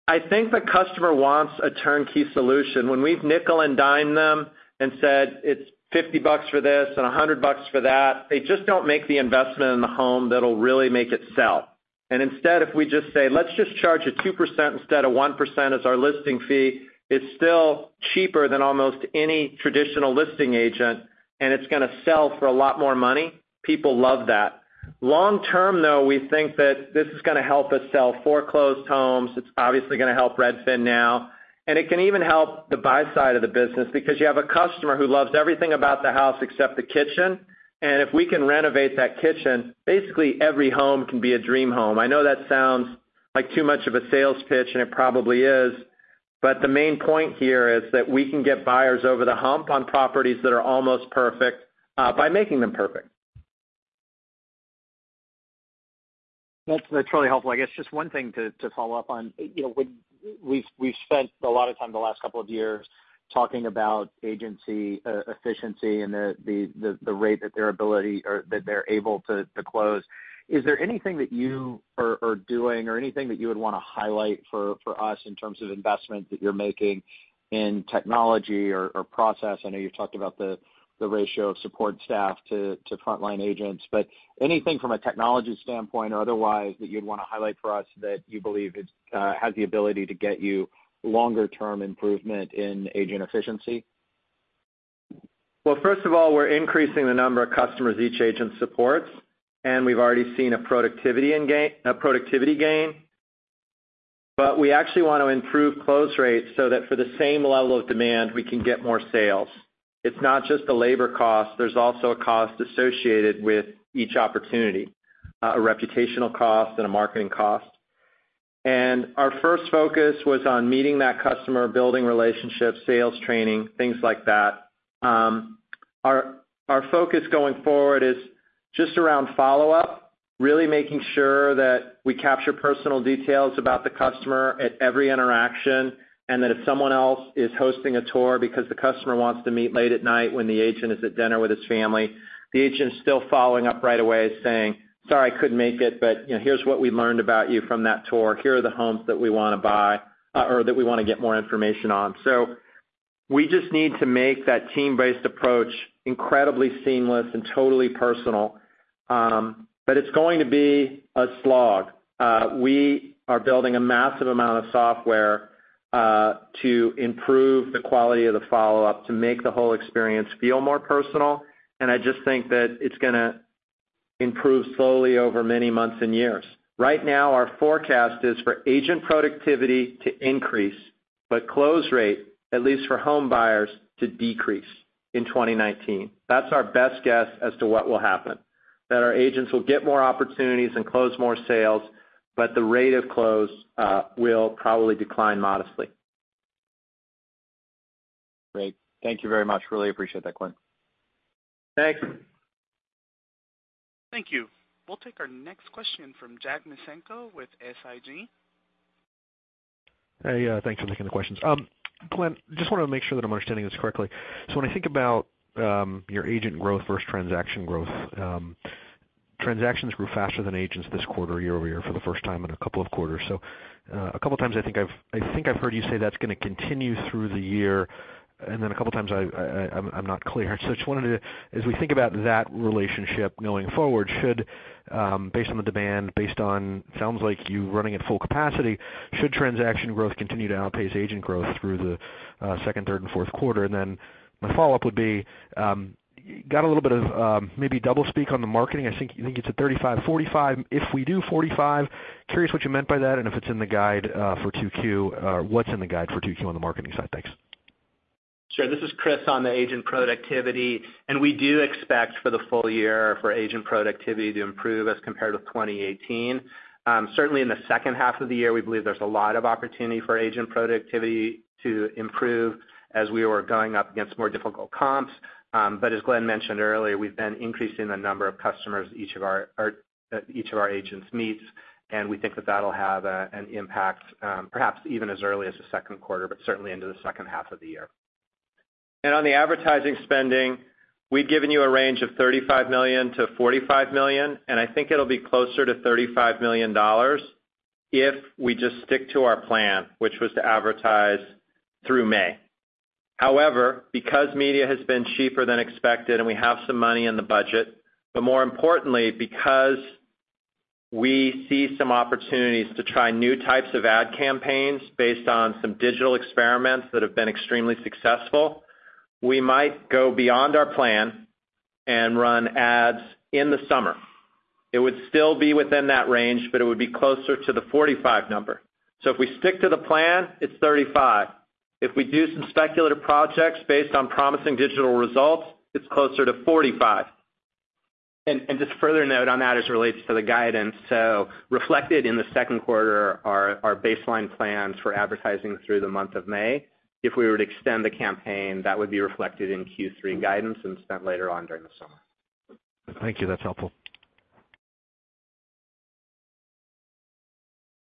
I think the customer wants a turnkey solution. When we've nickel-and-dimed them and said, "It's $50 for this and $100 for that," they just don't make the investment in the home that'll really make it sell. Instead, if we just say, "Let's just charge a 2% instead of 1% as our listing fee," it's still cheaper than almost any traditional listing agent, and it's going to sell for a lot more money. People love that. Long term, though, we think that this is going to help us sell foreclosed homes. It's obviously going to help RedfinNow, and it can even help the buy side of the business because you have a customer who loves everything about the house except the kitchen, and if we can renovate that kitchen, basically every home can be a dream home. I know that sounds like too much of a sales pitch, and it probably is, but the main point here is that we can get buyers over the hump on properties that are almost perfect, by making them perfect. That's really helpful. I guess just one thing to follow up on. We've spent a lot of time the last couple of years talking about agency efficiency and the rate that they're able to close. Is there anything that you are doing or anything that you would want to highlight for us in terms of investment that you're making in technology or process? I know you've talked about the ratio of support staff to frontline agents, but anything from a technology standpoint or otherwise that you'd want to highlight for us that you believe has the ability to get you longer-term improvement in agent efficiency? First of all, we're increasing the number of customers each agent supports, and we've already seen a productivity gain. We actually want to improve close rates so that for the same level of demand, we can get more sales. It's not just the labor cost, there's also a cost associated with each opportunity, a reputational cost and a marketing cost. Our first focus was on meeting that customer, building relationships, sales training, things like that. Our focus going forward is just around follow-up, really making sure that we capture personal details about the customer at every interaction, and that if someone else is hosting a tour because the customer wants to meet late at night when the agent is at dinner with his family, the agent's still following up right away saying, "Sorry, I couldn't make it, but here's what we learned about you from that tour. Here are the homes that we want to buy or that we want to get more information on." We just need to make that team-based approach incredibly seamless and totally personal. It's going to be a slog. We are building a massive amount of software, to improve the quality of the follow-up, to make the whole experience feel more personal. I just think that it's going to improve slowly over many months and years. Right now, our forecast is for agent productivity to increase, but close rate, at least for home buyers, to decrease in 2019. That's our best guess as to what will happen, that our agents will get more opportunities and close more sales, but the rate of close will probably decline modestly. Great. Thank you very much. Really appreciate that, Glenn. Thanks. Thank you. We'll take our next question from Jack Niesluchowski with SIG. Hey, thanks for taking the questions. Glenn, just want to make sure that I'm understanding this correctly. When I think about your agent growth versus transaction growth, transactions grew faster than agents this quarter, year-over-year for the first time in a couple of quarters. A couple of times I think I've heard you say that's going to continue through the year, and then a couple of times I'm not clear. I just wanted to, as we think about that relationship going forward, based on the demand, based on sounds like you running at full capacity, should transaction growth continue to outpace agent growth through the second, third and fourth quarter? Then my follow-up would be, got a little bit of maybe double speak on the marketing. I think you think it's a 35, 45. If we do 45, curious what you meant by that and if it's in the guide for 2Q, or what's in the guide for 2Q on the marketing side? Thanks. Sure. This is Chris on the agent productivity, we do expect for the full year for agent productivity to improve as compared with 2018. Certainly in the second half of the year, we believe there's a lot of opportunity for agent productivity to improve as we were going up against more difficult comps. As Glenn mentioned earlier, we've been increasing the number of customers each of our agents meets, and we think that that'll have an impact, perhaps even as early as the second quarter, but certainly into the second half of the year. On the advertising spending, we'd given you a range of $35 million-$45 million, and I think it'll be closer to $35 million if we just stick to our plan, which was to advertise through May. However, because media has been cheaper than expected and we have some money in the budget, but more importantly, because we see some opportunities to try new types of ad campaigns based on some digital experiments that have been extremely successful, we might go beyond our plan and run ads in the summer. It would still be within that range, but it would be closer to the $45 number. If we stick to the plan, it's $35. If we do some speculative projects based on promising digital results, it's closer to $45. Just further note on that as it relates to the guidance. Reflected in the second quarter are our baseline plans for advertising through the month of May. If we were to extend the campaign, that would be reflected in Q3 guidance and spent later on during the summer. Thank you. That's helpful.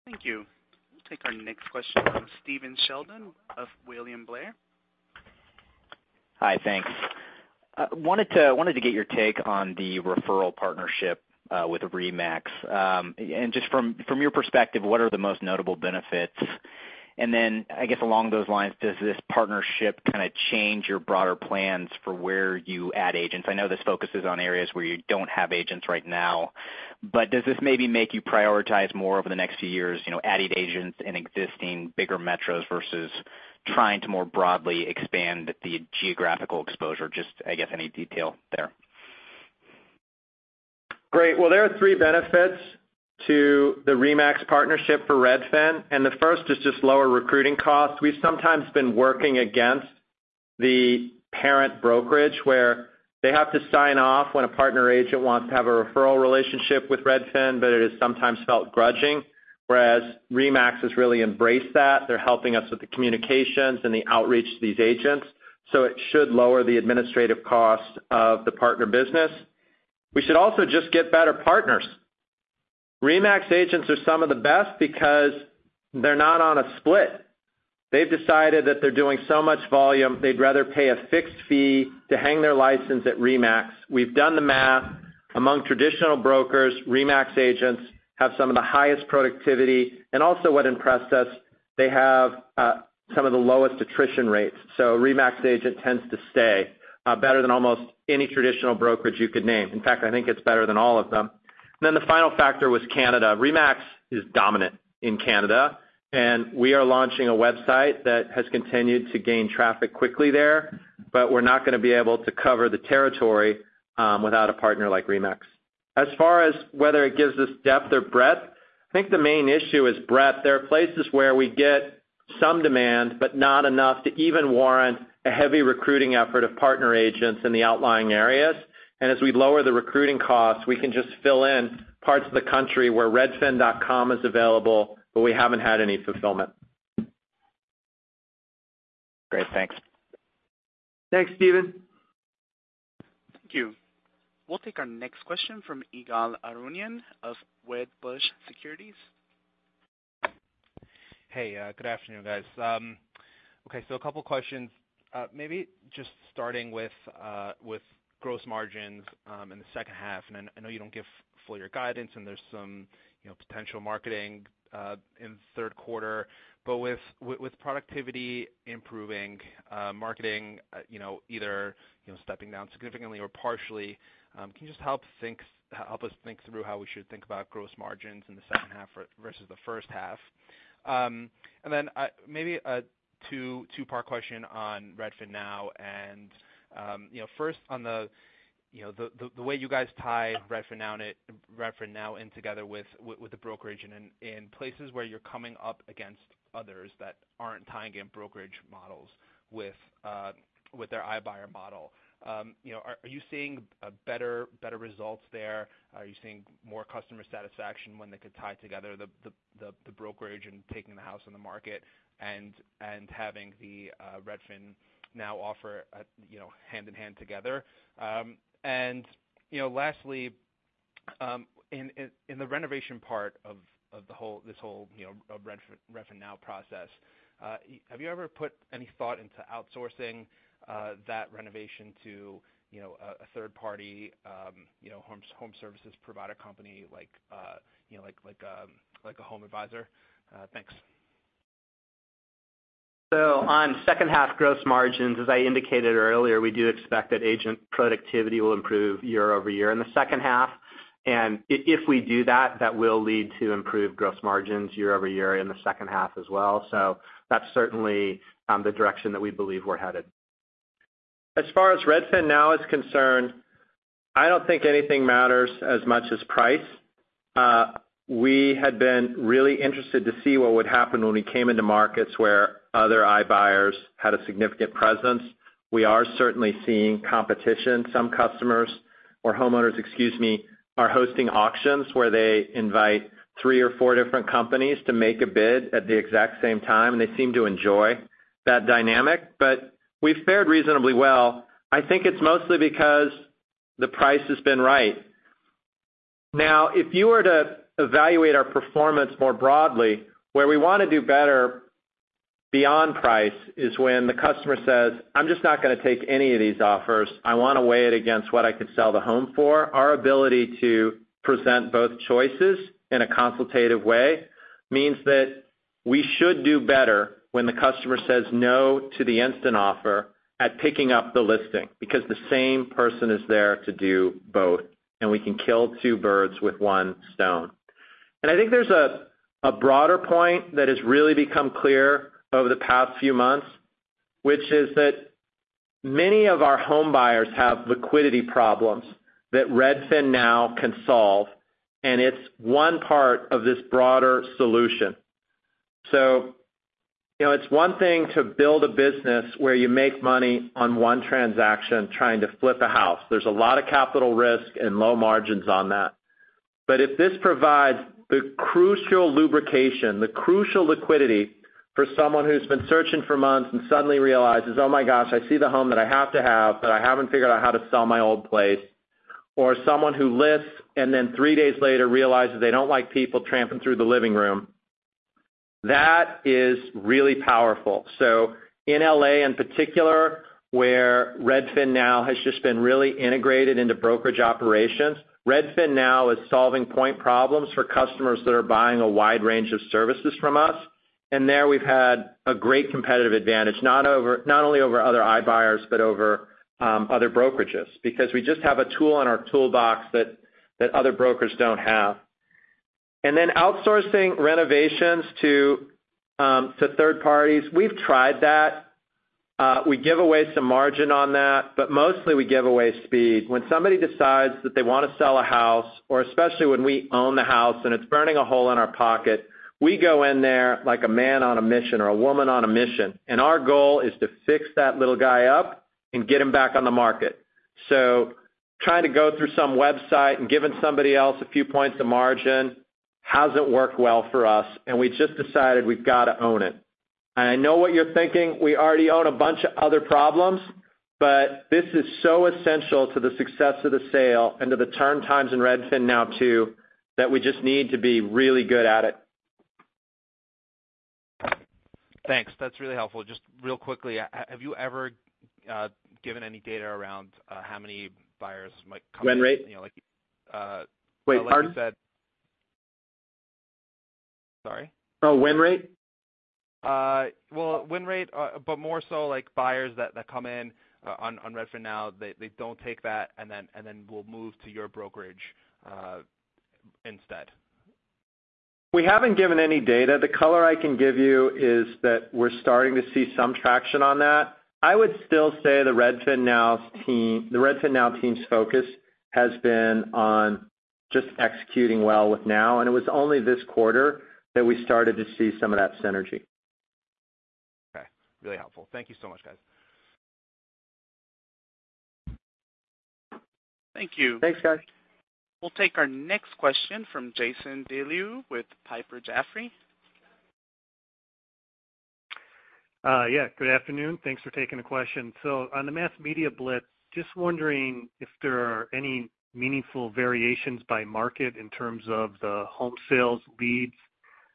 Thank you. We'll take our next question from Stephen Sheldon of William Blair. Hi, thanks. Wanted to get your take on the referral partnership with RE/MAX. Just from your perspective, what are the most notable benefits? I guess along those lines, does this partnership change your broader plans for where you add agents? I know this focuses on areas where you don't have agents right now, but does this maybe make you prioritize more over the next few years, adding agents in existing bigger metros versus trying to more broadly expand the geographical exposure? Just, I guess, any detail there. Great. Well, there are three benefits to the RE/MAX partnership for Redfin, and the first is just lower recruiting costs. We've sometimes been working against the parent brokerage, where they have to sign off when a partner agent wants to have a referral relationship with Redfin, but it is sometimes felt grudging. Whereas RE/MAX has really embraced that. They're helping us with the communications and the outreach to these agents. It should lower the administrative cost of the partner business. We should also just get better partners. RE/MAX agents are some of the best because they're not on a split. They've decided that they're doing so much volume, they'd rather pay a fixed fee to hang their license at RE/MAX. We've done the math. Among traditional brokers, RE/MAX agents have some of the highest productivity. Also what impressed us, they have some of the lowest attrition rates. A RE/MAX agent tends to stay, better than almost any traditional brokerage you could name. In fact, I think it's better than all of them. The final factor was Canada. RE/MAX is dominant in Canada, and we are launching a website that has continued to gain traffic quickly there, but we're not going to be able to cover the territory without a partner like RE/MAX. As far as whether it gives us depth or breadth, I think the main issue is breadth. There are places where we get some demand, but not enough to even warrant a heavy recruiting effort of partner agents in the outlying areas. As we lower the recruiting costs, we can just fill in parts of the country where redfin.com is available, but we haven't had any fulfillment. Great, thanks. Thanks, Stephen. Thank you. We'll take our next question from Ygal Arounian of Wedbush Securities. Hey, good afternoon, guys. A couple questions. Maybe just starting with gross margins in the second half. I know you don't give full year guidance, and there's some potential marketing in the third quarter. With productivity improving, marketing either stepping down significantly or partially, can you just help us think through how we should think about gross margins in the second half versus the first half? Maybe a two-part question on RedfinNow. First, on the way you guys tie RedfinNow in together with the brokerage and in places where you're coming up against others that aren't tying in brokerage models with their iBuyer model. Are you seeing better results there? Are you seeing more customer satisfaction when they could tie together the brokerage and taking the house on the market and having the RedfinNow offer hand-in-hand together? Lastly, in the renovation part of this whole RedfinNow process, have you ever put any thought into outsourcing that renovation to a third party home services provider company like a HomeAdvisor? Thanks. On second half gross margins, as I indicated earlier, we do expect that agent productivity will improve year-over-year in the second half. If we do that will lead to improved gross margins year-over-year in the second half as well. That's certainly the direction that we believe we're headed. As far as RedfinNow is concerned, I don't think anything matters as much as price. We had been really interested to see what would happen when we came into markets where other iBuyers had a significant presence. We are certainly seeing competition. Some customers, or homeowners, excuse me, are hosting auctions where they invite three or four different companies to make a bid at the exact same time, and they seem to enjoy that dynamic. We've fared reasonably well. I think it's mostly because the price has been right. If you were to evaluate our performance more broadly, where we want to do better beyond price is when the customer says, "I'm just not going to take any of these offers. I want to weigh it against what I could sell the home for." Our ability to present both choices in a consultative way means that we should do better when the customer says no to the instant offer at picking up the listing, because the same person is there to do both, and we can kill two birds with one stone. I think there's a broader point that has really become clear over the past few months, which is that many of our home buyers have liquidity problems that RedfinNow can solve, and it's one part of this broader solution. It's one thing to build a business where you make money on one transaction trying to flip a house. There's a lot of capital risk and low margins on that. If this provides the crucial lubrication, the crucial liquidity for someone who's been searching for months and suddenly realizes, "Oh my gosh, I see the home that I have to have, but I haven't figured out how to sell my old place." Or someone who lists and then three days later realizes they don't like people tramping through the living room. That is really powerful. In L.A. in particular, where RedfinNow has just been really integrated into brokerage operations, RedfinNow is solving point problems for customers that are buying a wide range of services from us. There we've had a great competitive advantage, not only over other iBuyers, but over other brokerages, because we just have a tool in our toolbox that other brokers don't have. Then outsourcing renovations to third parties, we've tried that. We give away some margin on that, but mostly we give away speed. When somebody decides that they want to sell a house, or especially when we own the house and it's burning a hole in our pocket, we go in there like a man on a mission or a woman on a mission, and our goal is to fix that little guy up and get him back on the market. Trying to go through some website and giving somebody else a few points of margin hasn't worked well for us, and we just decided we've got to own it. I know what you're thinking. We already own a bunch of other problems, this is so essential to the success of the sale and to the turn times in RedfinNow too, that we just need to be really good at it. Thanks. That's really helpful. Just real quickly, have you ever given any data around how many buyers might come in? Win rate? Wait, pardon? Sorry? Oh, win rate? Win rate, more so buyers that come in on RedfinNow, they don't take that, will move to your brokerage instead. We haven't given any data. The color I can give you is that we're starting to see some traction on that. I would still say the RedfinNow team's focus has been on just executing well with Now, it was only this quarter that we started to see some of that synergy. Really helpful. Thank you so much, guys. Thank you. Thanks, guys. We'll take our next question from Jason Deleeuw with Piper Jaffray. Yeah, good afternoon. Thanks for taking the question. On the mass media blitz, just wondering if there are any meaningful variations by market in terms of the home sales leads,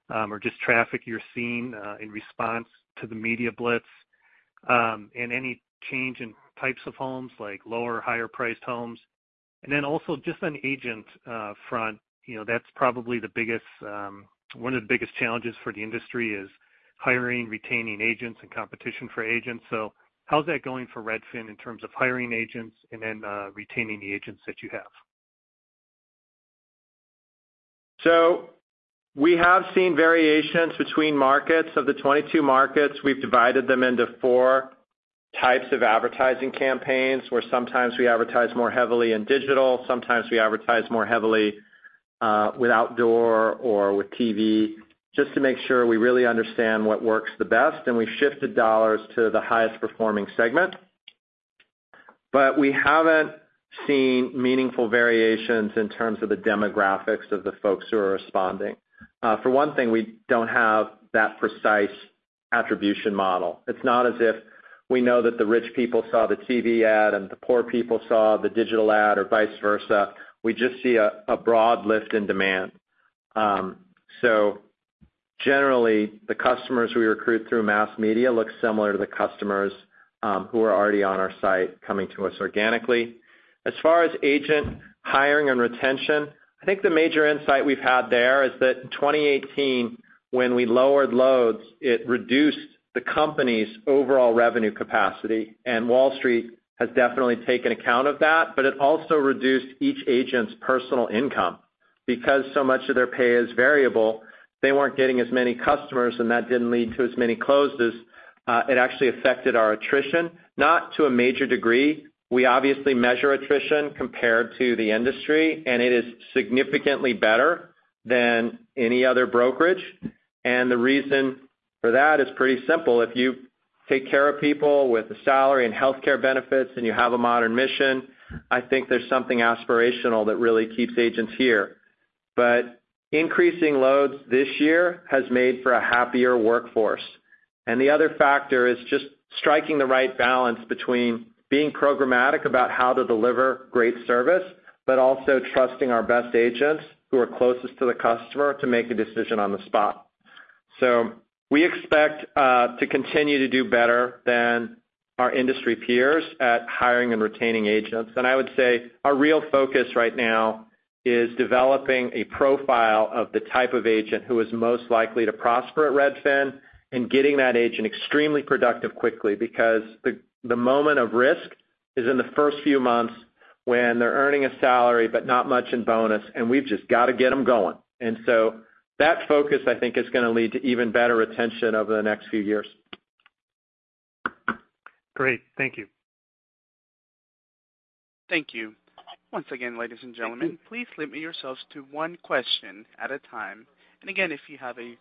or just traffic you're seeing, in response to the media blitz. Any change in types of homes, like lower or higher priced homes. Also just on agent front, that's probably one of the biggest challenges for the industry is hiring, retaining agents and competition for agents. How's that going for Redfin in terms of hiring agents and then retaining the agents that you have? We have seen variations between markets. Of the 22 markets, we've divided them into 4 types of advertising campaigns, where sometimes we advertise more heavily in digital, sometimes we advertise more heavily with outdoor or with TV, just to make sure we really understand what works the best. We've shifted dollars to the highest performing segment. We haven't seen meaningful variations in terms of the demographics of the folks who are responding. For one thing, we don't have that precise attribution model. It's not as if we know that the rich people saw the TV ad and the poor people saw the digital ad, or vice versa. We just see a broad lift in demand. Generally, the customers we recruit through mass media look similar to the customers who are already on our site coming to us organically. As far as agent hiring and retention, I think the major insight we've had there is that in 2018, when we lowered loads, it reduced the company's overall revenue capacity, and Wall Street has definitely taken account of that, but it also reduced each agent's personal income. Because so much of their pay is variable, they weren't getting as many customers, and that didn't lead to as many closes. It actually affected our attrition, not to a major degree. We obviously measure attrition compared to the industry, and it is significantly better than any other brokerage. The reason for that is pretty simple. If you take care of people with a salary and healthcare benefits and you have a modern mission, I think there's something aspirational that really keeps agents here. Increasing loads this year has made for a happier workforce. The other factor is just striking the right balance between being programmatic about how to deliver great service, but also trusting our best agents who are closest to the customer to make a decision on the spot. We expect to continue to do better than our industry peers at hiring and retaining agents. I would say our real focus right now is developing a profile of the type of agent who is most likely to prosper at Redfin and getting that agent extremely productive quickly. Because the moment of risk is in the first few months when they're earning a salary, but not much in bonus, and we've just got to get them going. That focus, I think, is going to lead to even better retention over the next few years. Great. Thank you. Thank you. Once again, ladies and gentlemen, please limit yourselves to one question at a time. Again, if you have a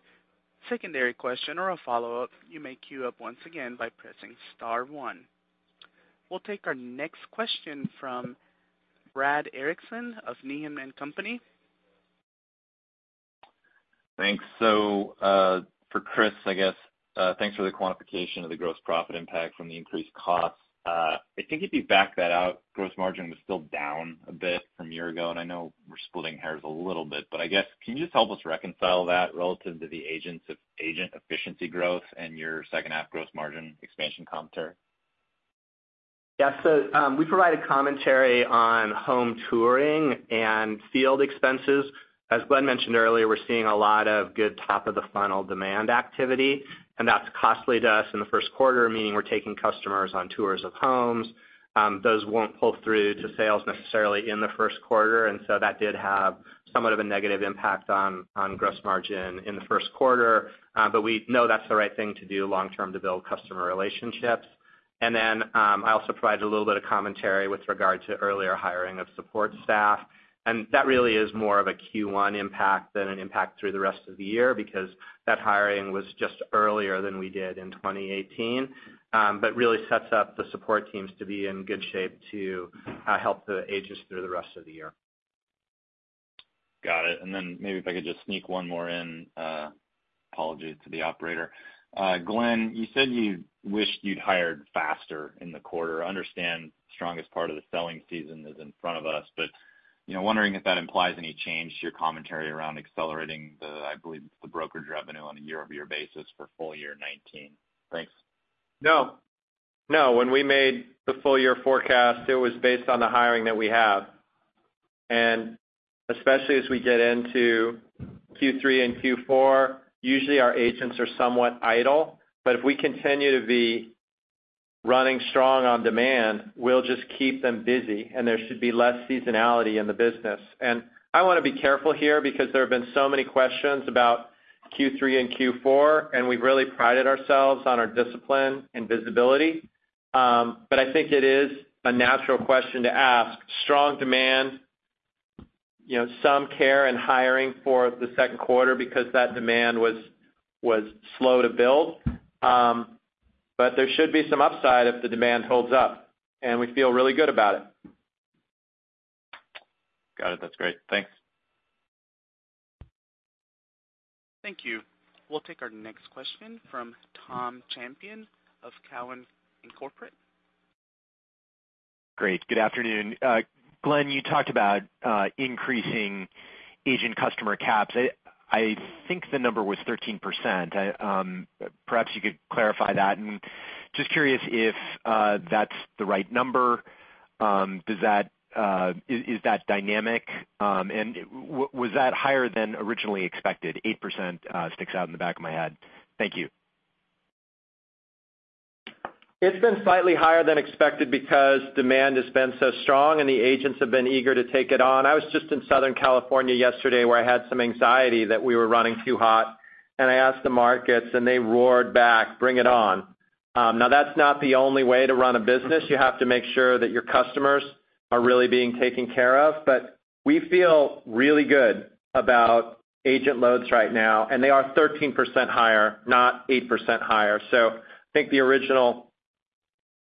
secondary question or a follow-up, you may queue up once again by pressing star one. We'll take our next question from Brad Erickson of Needham & Company. Thanks. For Chris, I guess. Thanks for the quantification of the gross profit impact from the increased costs. I think if you back that out, gross margin was still down a bit from a year ago, I know we're splitting hairs a little bit, but I guess, can you just help us reconcile that relative to the agent efficiency growth and your second half gross margin expansion commentary? Yeah. We provided commentary on home touring and field expenses. As Glenn mentioned earlier, we're seeing a lot of good top of the funnel demand activity, and that's costly to us in the first quarter, meaning we're taking customers on tours of homes. Those won't pull through to sales necessarily in the first quarter. That did have somewhat of a negative impact on gross margin in the first quarter. We know that's the right thing to do long-term to build customer relationships. I also provided a little bit of commentary with regard to earlier hiring of support staff. That really is more of a Q1 impact than an impact through the rest of the year because that hiring was just earlier than we did in 2018. Really sets up the support teams to be in good shape to help the agents through the rest of the year. Got it. Maybe if I could just sneak one more in. Apologies to the Operator. Glenn, you said you wished you'd hired faster in the quarter. Understand the strongest part of the selling season is in front of us. Wondering if that implies any change to your commentary around accelerating the, I believe it's the brokerage revenue on a year-over-year basis for full year 2019. Thanks. No. When we made the full year forecast, it was based on the hiring that we have. Especially as we get into Q3 and Q4, usually our agents are somewhat idle. If we continue to be running strong on demand, we'll just keep them busy and there should be less seasonality in the business. I want to be careful here because there have been so many questions about Q3 and Q4, and we've really prided ourselves on our discipline and visibility. I think it is a natural question to ask. Strong demand, some care and hiring for the second quarter because that demand was slow to build. There should be some upside if the demand holds up, and we feel really good about it. Got it. That's great. Thanks. Thank you. We'll take our next question from Tom Champion of Cowen and Company. Great. Good afternoon. Glenn, you talked about increasing agent customer caps. I think the number was 13%. Perhaps you could clarify that, and just curious if that's the right number. Is that dynamic? Was that higher than originally expected? 8% sticks out in the back of my head. Thank you. It's been slightly higher than expected because demand has been so strong, and the agents have been eager to take it on. I was just in Southern California yesterday where I had some anxiety that we were running too hot, and I asked the markets, and they roared back, "Bring it on." That's not the only way to run a business. You have to make sure that your customers are really being taken care of. We feel really good about agent loads right now, and they are 13% higher, not 8% higher. I think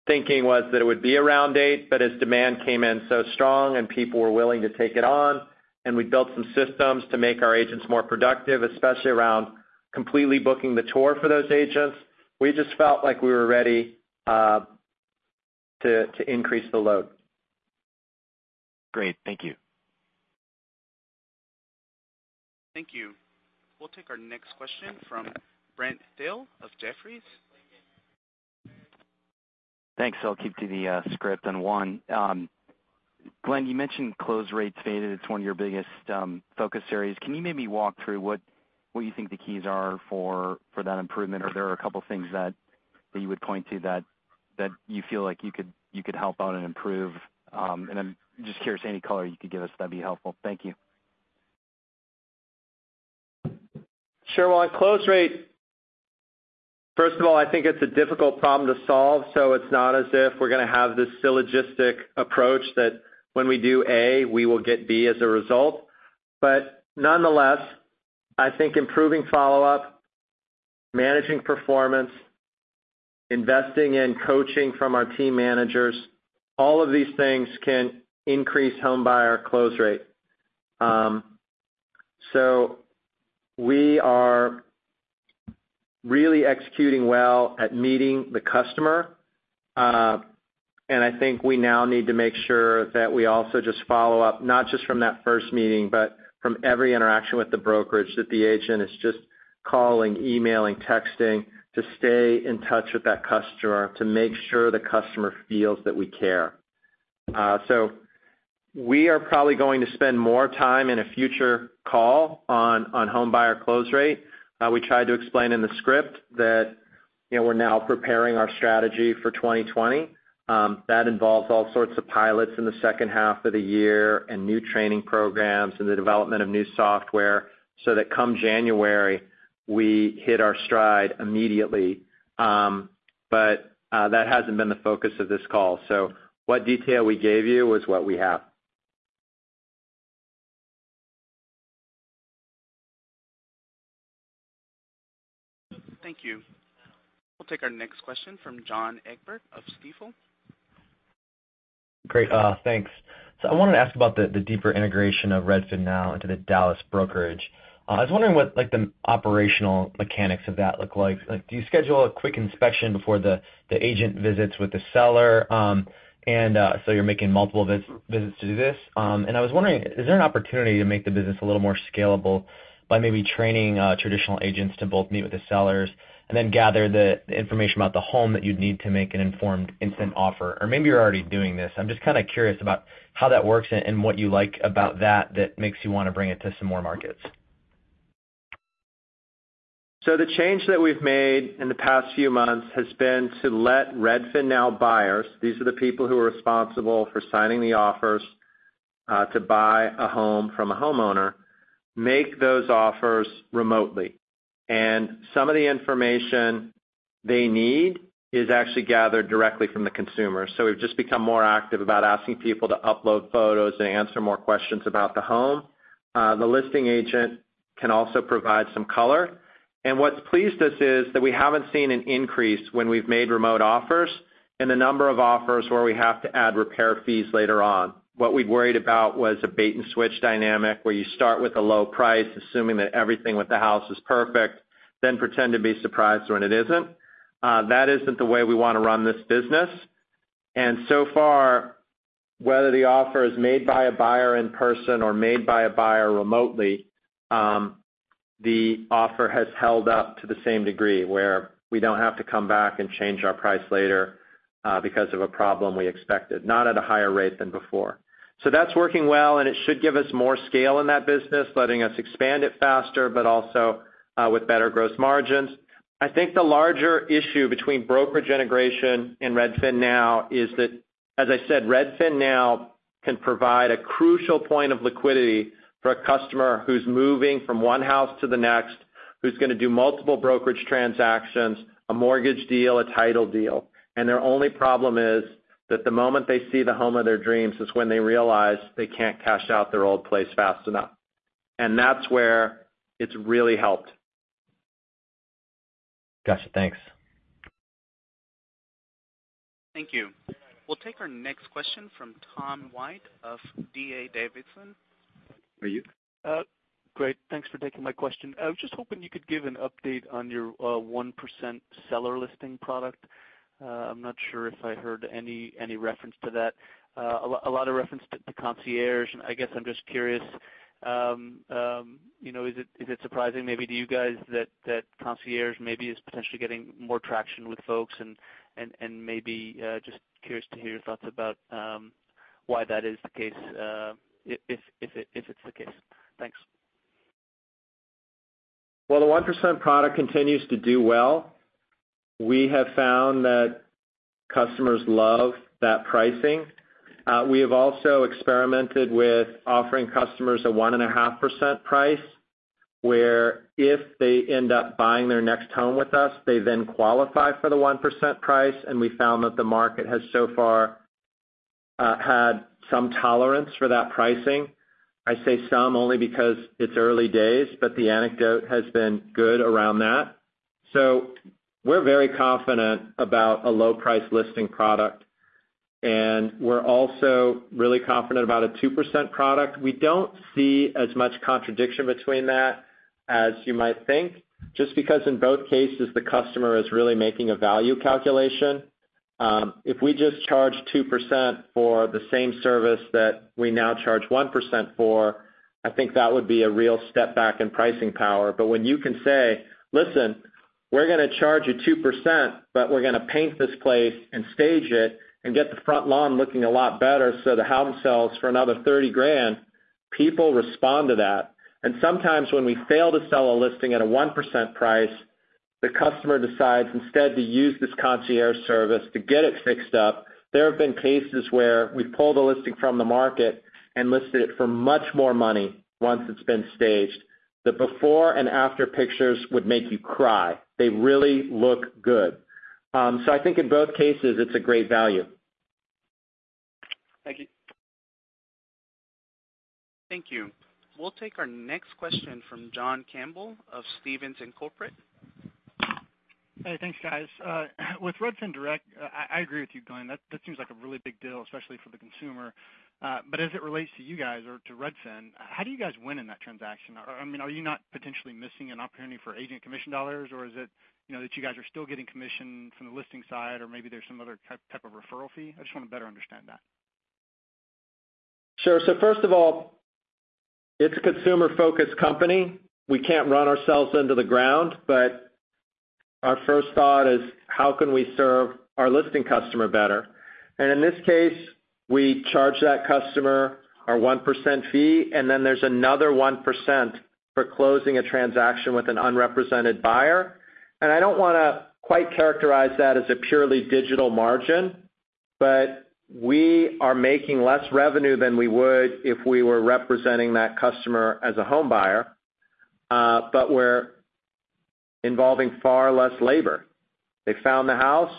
the original thinking was that it would be around 8%, as demand came in so strong and people were willing to take it on, and we built some systems to make our agents more productive, especially around completely booking the tour for those agents, we just felt like we were ready to increase the load. Great. Thank you. Thank you. We'll take our next question from Brent Thill of Jefferies. Thanks. I'll keep to the script on one. Glenn, you mentioned close rates faded. It's one of your biggest focus areas. Can you maybe walk through what you think the keys are for that improvement? Are there a couple things that you would point to that you feel like you could help out and improve? I'm just curious, any color you could give us, that'd be helpful. Thank you. Sure. Well, on close rate, first of all, I think it's a difficult problem to solve. It's not as if we're going to have this syllogistic approach that when we do A, we will get B as a result. Nonetheless, I think improving follow-up, managing performance, investing in coaching from our team managers, all of these things can increase home buyer close rate. We are really executing well at meeting the customer. I think we now need to make sure that we also just follow up, not just from that first meeting, but from every interaction with the brokerage, that the agent is just calling, emailing, texting to stay in touch with that customer to make sure the customer feels that we care. We are probably going to spend more time in a future call on home buyer close rate. We tried to explain in the script that we're now preparing our strategy for 2020. That involves all sorts of pilots in the second half of the year and new training programs and the development of new software so that come January, we hit our stride immediately. That hasn't been the focus of this call. What detail we gave you was what we have. Thank you. We'll take our next question from John Egbert of Stifel. Great. Thanks. I wanted to ask about the deeper integration of RedfinNow into the Dallas brokerage. I was wondering what the operational mechanics of that look like. Do you schedule a quick inspection before the agent visits with the seller? You're making multiple visits to do this. I was wondering, is there an opportunity to make the business a little more scalable by maybe training traditional agents to both meet with the sellers and then gather the information about the home that you'd need to make an informed instant offer? Or maybe you're already doing this. I'm just curious about how that works and what you like about that makes you want to bring it to some more markets. The change that we've made in the past few months has been to let RedfinNow buyers, these are the people who are responsible for signing the offers, to buy a home from a homeowner, make those offers remotely. Some of the information they need is actually gathered directly from the consumer. We've just become more active about asking people to upload photos and answer more questions about the home. The listing agent can also provide some color. What's pleased us is that we haven't seen an increase when we've made remote offers in the number of offers where we have to add repair fees later on. What we'd worried about was a bait-and-switch dynamic where you start with a low price, assuming that everything with the house is perfect, then pretend to be surprised when it isn't. That isn't the way we want to run this business. So far, whether the offer is made by a buyer in person or made by a buyer remotely, the offer has held up to the same degree, where we don't have to come back and change our price later because of a problem we expected, not at a higher rate than before. That's working well, and it should give us more scale in that business, letting us expand it faster, but also with better gross margins. I think the larger issue between brokerage integration and RedfinNow is that, as I said, RedfinNow can provide a crucial point of liquidity for a customer who's moving from one house to the next, who's going to do multiple brokerage transactions, a mortgage deal, a title deal, and their only problem is that the moment they see the home of their dreams is when they realize they can't cash out their old place fast enough. That's where it's really helped. Got you. Thanks. Thank you. We'll take our next question from Tom White of D.A. Davidson. Great. Thanks for taking my question. I was just hoping you could give an update on your 1% seller listing product. I'm not sure if I heard any reference to that. A lot of reference to Concierge, I guess I'm just curious, is it surprising maybe to you guys that Concierge maybe is potentially getting more traction with folks, and maybe just curious to hear your thoughts about why that is the case, if it's the case. Thanks. Well, the 1% product continues to do well. We have found that customers love that pricing. We have also experimented with offering customers a 1.5% price, where if they end up buying their next home with us, they then qualify for the 1% price. We found that the market has so far had some tolerance for that pricing. I say some only because it's early days, the anecdote has been good around that. We're very confident about a low-price listing product. We're also really confident about a 2% product. We don't see as much contradiction between that as you might think, just because in both cases, the customer is really making a value calculation. If we just charge 2% for the same service that we now charge 1% for, I think that would be a real step back in pricing power. When you can say, "Listen, we're going to charge you 2%, but we're going to paint this place and stage it and get the front lawn looking a lot better so the house sells for another 30 grand," people respond to that. Sometimes when we fail to sell a listing at a 1% price, the customer decides instead to use this Concierge Service to get it fixed up. There have been cases where we've pulled a listing from the market and listed it for much more money once it's been staged. The before and after pictures would make you cry. They really look good. I think in both cases, it's a great value. Thank you. Thank you. We'll take our next question from John Campbell of Stephens Inc. Hey, thanks, guys. With Redfin Direct, I agree with you, Glenn. That seems like a really big deal, especially for the consumer. As it relates to you guys or to Redfin, how do you guys win in that transaction? Are you not potentially missing an opportunity for agent commission dollars, or is it that you guys are still getting commission from the listing side, or maybe there's some other type of referral fee? I just want to better understand that. Sure. First of all, it's a consumer-focused company. We can't run ourselves into the ground, but our first thought is how can we serve our listing customer better? In this case, we charge that customer our 1% fee. Then there's another 1% for closing a transaction with an unrepresented buyer. I don't want to quite characterize that as a purely digital margin. We are making less revenue than we would if we were representing that customer as a home buyer. We're involving far less labor. They found the house,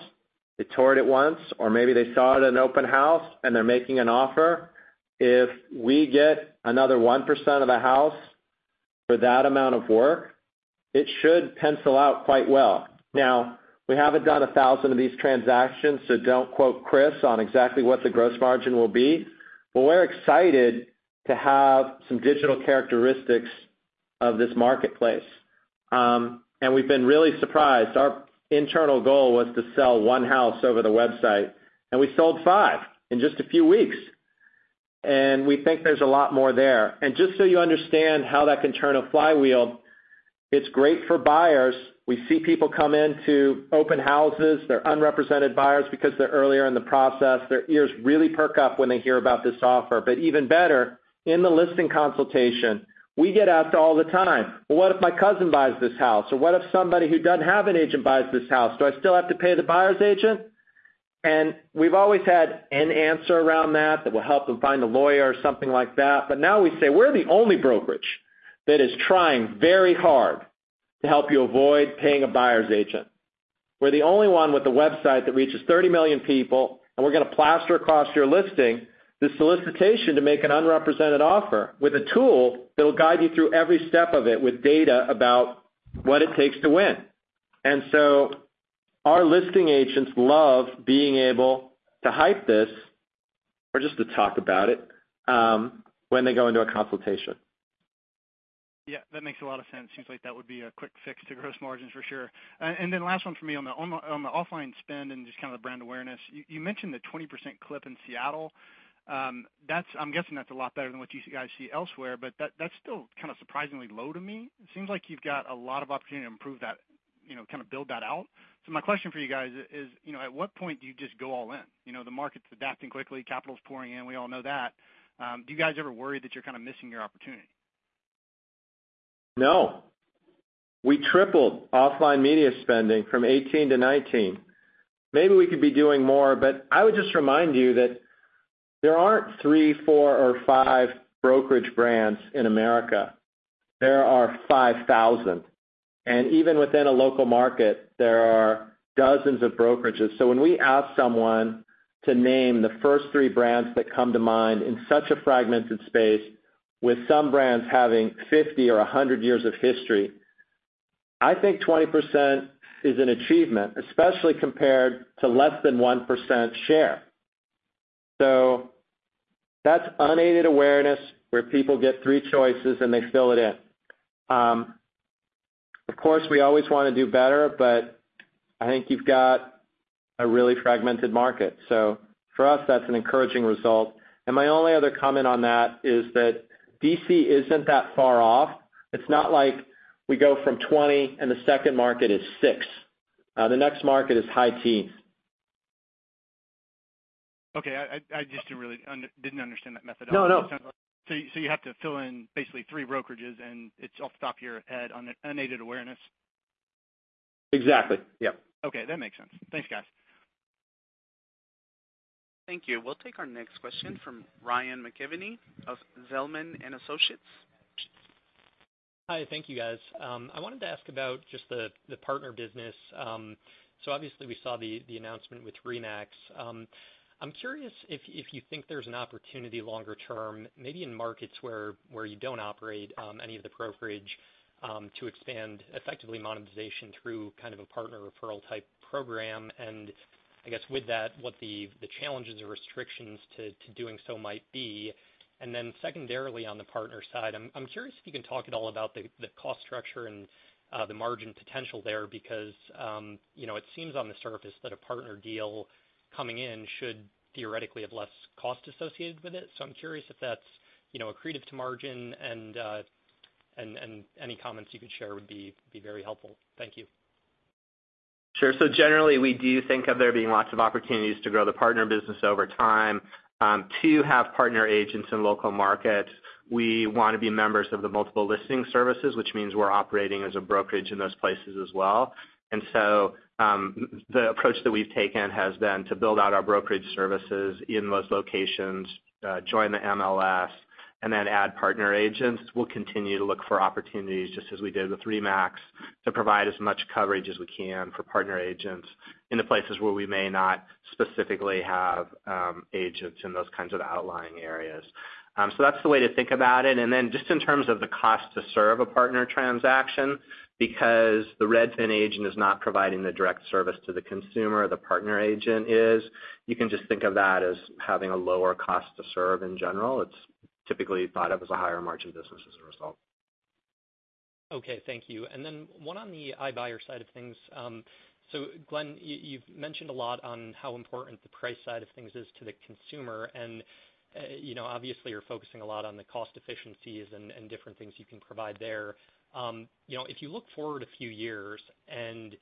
they toured it once, or maybe they saw it at an open house. They're making an offer. If we get another 1% of a house for that amount of work, it should pencil out quite well. We haven't done 1,000 of these transactions. Don't quote Chris on exactly what the gross margin will be. We're excited to have some digital characteristics of this marketplace. We've been really surprised. Our internal goal was to sell one house over the redfin.com. We sold five in just a few weeks. We think there's a lot more there. You understand how that can turn a flywheel, it's great for buyers. We see people come into open houses. They're unrepresented buyers because they're earlier in the process. Their ears really perk up when they hear about this offer. Even better, in the listing consultation, we get asked all the time, "Well, what if my cousin buys this house?" Or, "What if somebody who doesn't have an agent buys this house? Do I still have to pay the buyer's agent?" We've always had an answer around that we'll help them find a lawyer or something like that. Now we say we're the only brokerage that is trying very hard to help you avoid paying a buyer's agent. We're the only one with a redfin.com that reaches 30 million people. We're going to plaster across your listing the solicitation to make an unrepresented offer with a tool that will guide you through every step of it with data about what it takes to win. Our listing agents love being able to hype this or just to talk about it when they go into a consultation. That makes a lot of sense. Seems like that would be a quick fix to gross margins for sure. Last one for me on the offline spend and just the brand awareness. You mentioned the 20% clip in Seattle. I'm guessing that's a lot better than what you guys see elsewhere. That's still surprisingly low to me. It seems like you've got a lot of opportunity to improve that. Kind of build that out. My question for you guys is, at what point do you just go all in? The market's adapting quickly, capital's pouring in, we all know that. Do you guys ever worry that you're kind of missing your opportunity? No. We tripled offline media spending from 2018 to 2019. Maybe we could be doing more, I would just remind you that there aren't three, four or five brokerage brands in America. There are 5,000. Even within a local market, there are dozens of brokerages. When we ask someone to name the first three brands that come to mind in such a fragmented space, with some brands having 50 or 100 years of history, I think 20% is an achievement, especially compared to less than 1% share. That's unaided awareness where people get three choices and they fill it in. Of course, we always want to do better, I think you've got a really fragmented market. For us, that's an encouraging result. My only other comment on that is that D.C. isn't that far off. It's not like we go from 20 and the second market is six. The next market is high teens. Okay. I just didn't really understand that methodology. No. You have to fill in basically three brokerages and it's off the top of your head on unaided awareness. Exactly. Yep. Okay. That makes sense. Thanks, guys. Thank you. We'll take our next question from Ryan McKeveny of Zelman & Associates. Hi. Thank you, guys. I wanted to ask about just the partner business. Obviously, we saw the announcement with RE/MAX. I'm curious if you think there's an opportunity longer term, maybe in markets where you don't operate any of the brokerage, to expand effectively monetization through kind of a partner referral type program, and I guess with that, what the challenges or restrictions to doing so might be. Then secondarily on the partner side, I'm curious if you can talk at all about the cost structure and the margin potential there because it seems on the surface that a partner deal coming in should theoretically have less cost associated with it. I'm curious if that's accretive to margin and any comments you could share would be very helpful. Thank you. Generally, we do think of there being lots of opportunities to grow the partner business over time. To have partner agents in local markets, we want to be members of the multiple listing services, which means we're operating as a brokerage in those places as well. The approach that we've taken has been to build out our brokerage services in those locations, join the MLS and then add partner agents. We'll continue to look for opportunities, just as we did with RE/MAX, to provide as much coverage as we can for partner agents in the places where we may not specifically have agents in those kinds of outlying areas. That's the way to think about it. Just in terms of the cost to serve a partner transaction, because the Redfin agent is not providing the direct service to the consumer, the partner agent is, you can just think of that as having a lower cost to serve in general. It's typically thought of as a higher margin business as a result. Okay, thank you. One on the iBuyer side of things. Glenn, you've mentioned a lot on how important the price side of things is to the consumer, and obviously you're focusing a lot on the cost efficiencies and different things you can provide there. If you look forward a few years and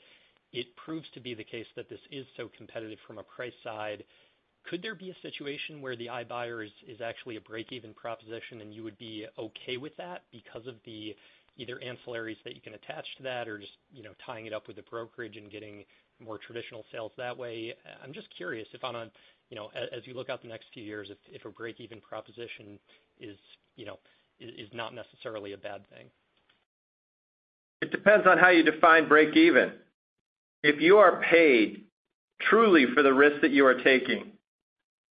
it proves to be the case that this is so competitive from a price side, could there be a situation where the iBuyer is actually a break-even proposition and you would be okay with that because of the either ancillaries that you can attach to that or just tying it up with the brokerage and getting more traditional sales that way? I'm just curious if on a, as you look out the next few years, if a break-even proposition is not necessarily a bad thing. It depends on how you define break-even. If you are paid truly for the risk that you are taking,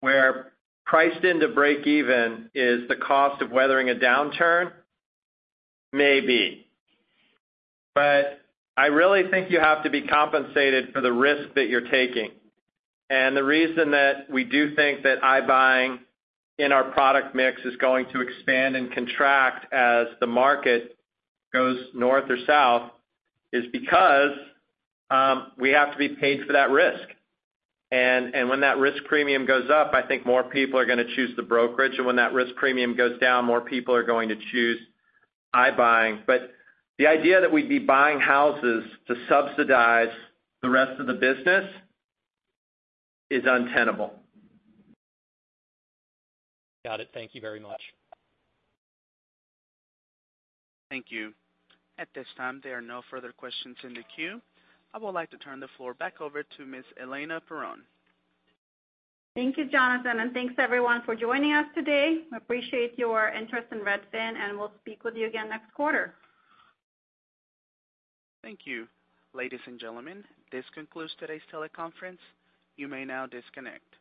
where priced into break-even is the cost of weathering a downturn, maybe. I really think you have to be compensated for the risk that you are taking. The reason that we do think that iBuying in our product mix is going to expand and contract as the market goes north or south is because we have to be paid for that risk. When that risk premium goes up, I think more people are going to choose the brokerage, and when that risk premium goes down, more people are going to choose iBuying. The idea that we'd be buying houses to subsidize the rest of the business is untenable. Got it. Thank you very much. Thank you. At this time, there are no further questions in the queue. I would like to turn the floor back over to Ms. Elena Perron. Thank you, Jonathan, and thanks everyone for joining us today. We appreciate your interest in Redfin, and we'll speak with you again next quarter. Thank you. Ladies and gentlemen, this concludes today's teleconference. You may now disconnect.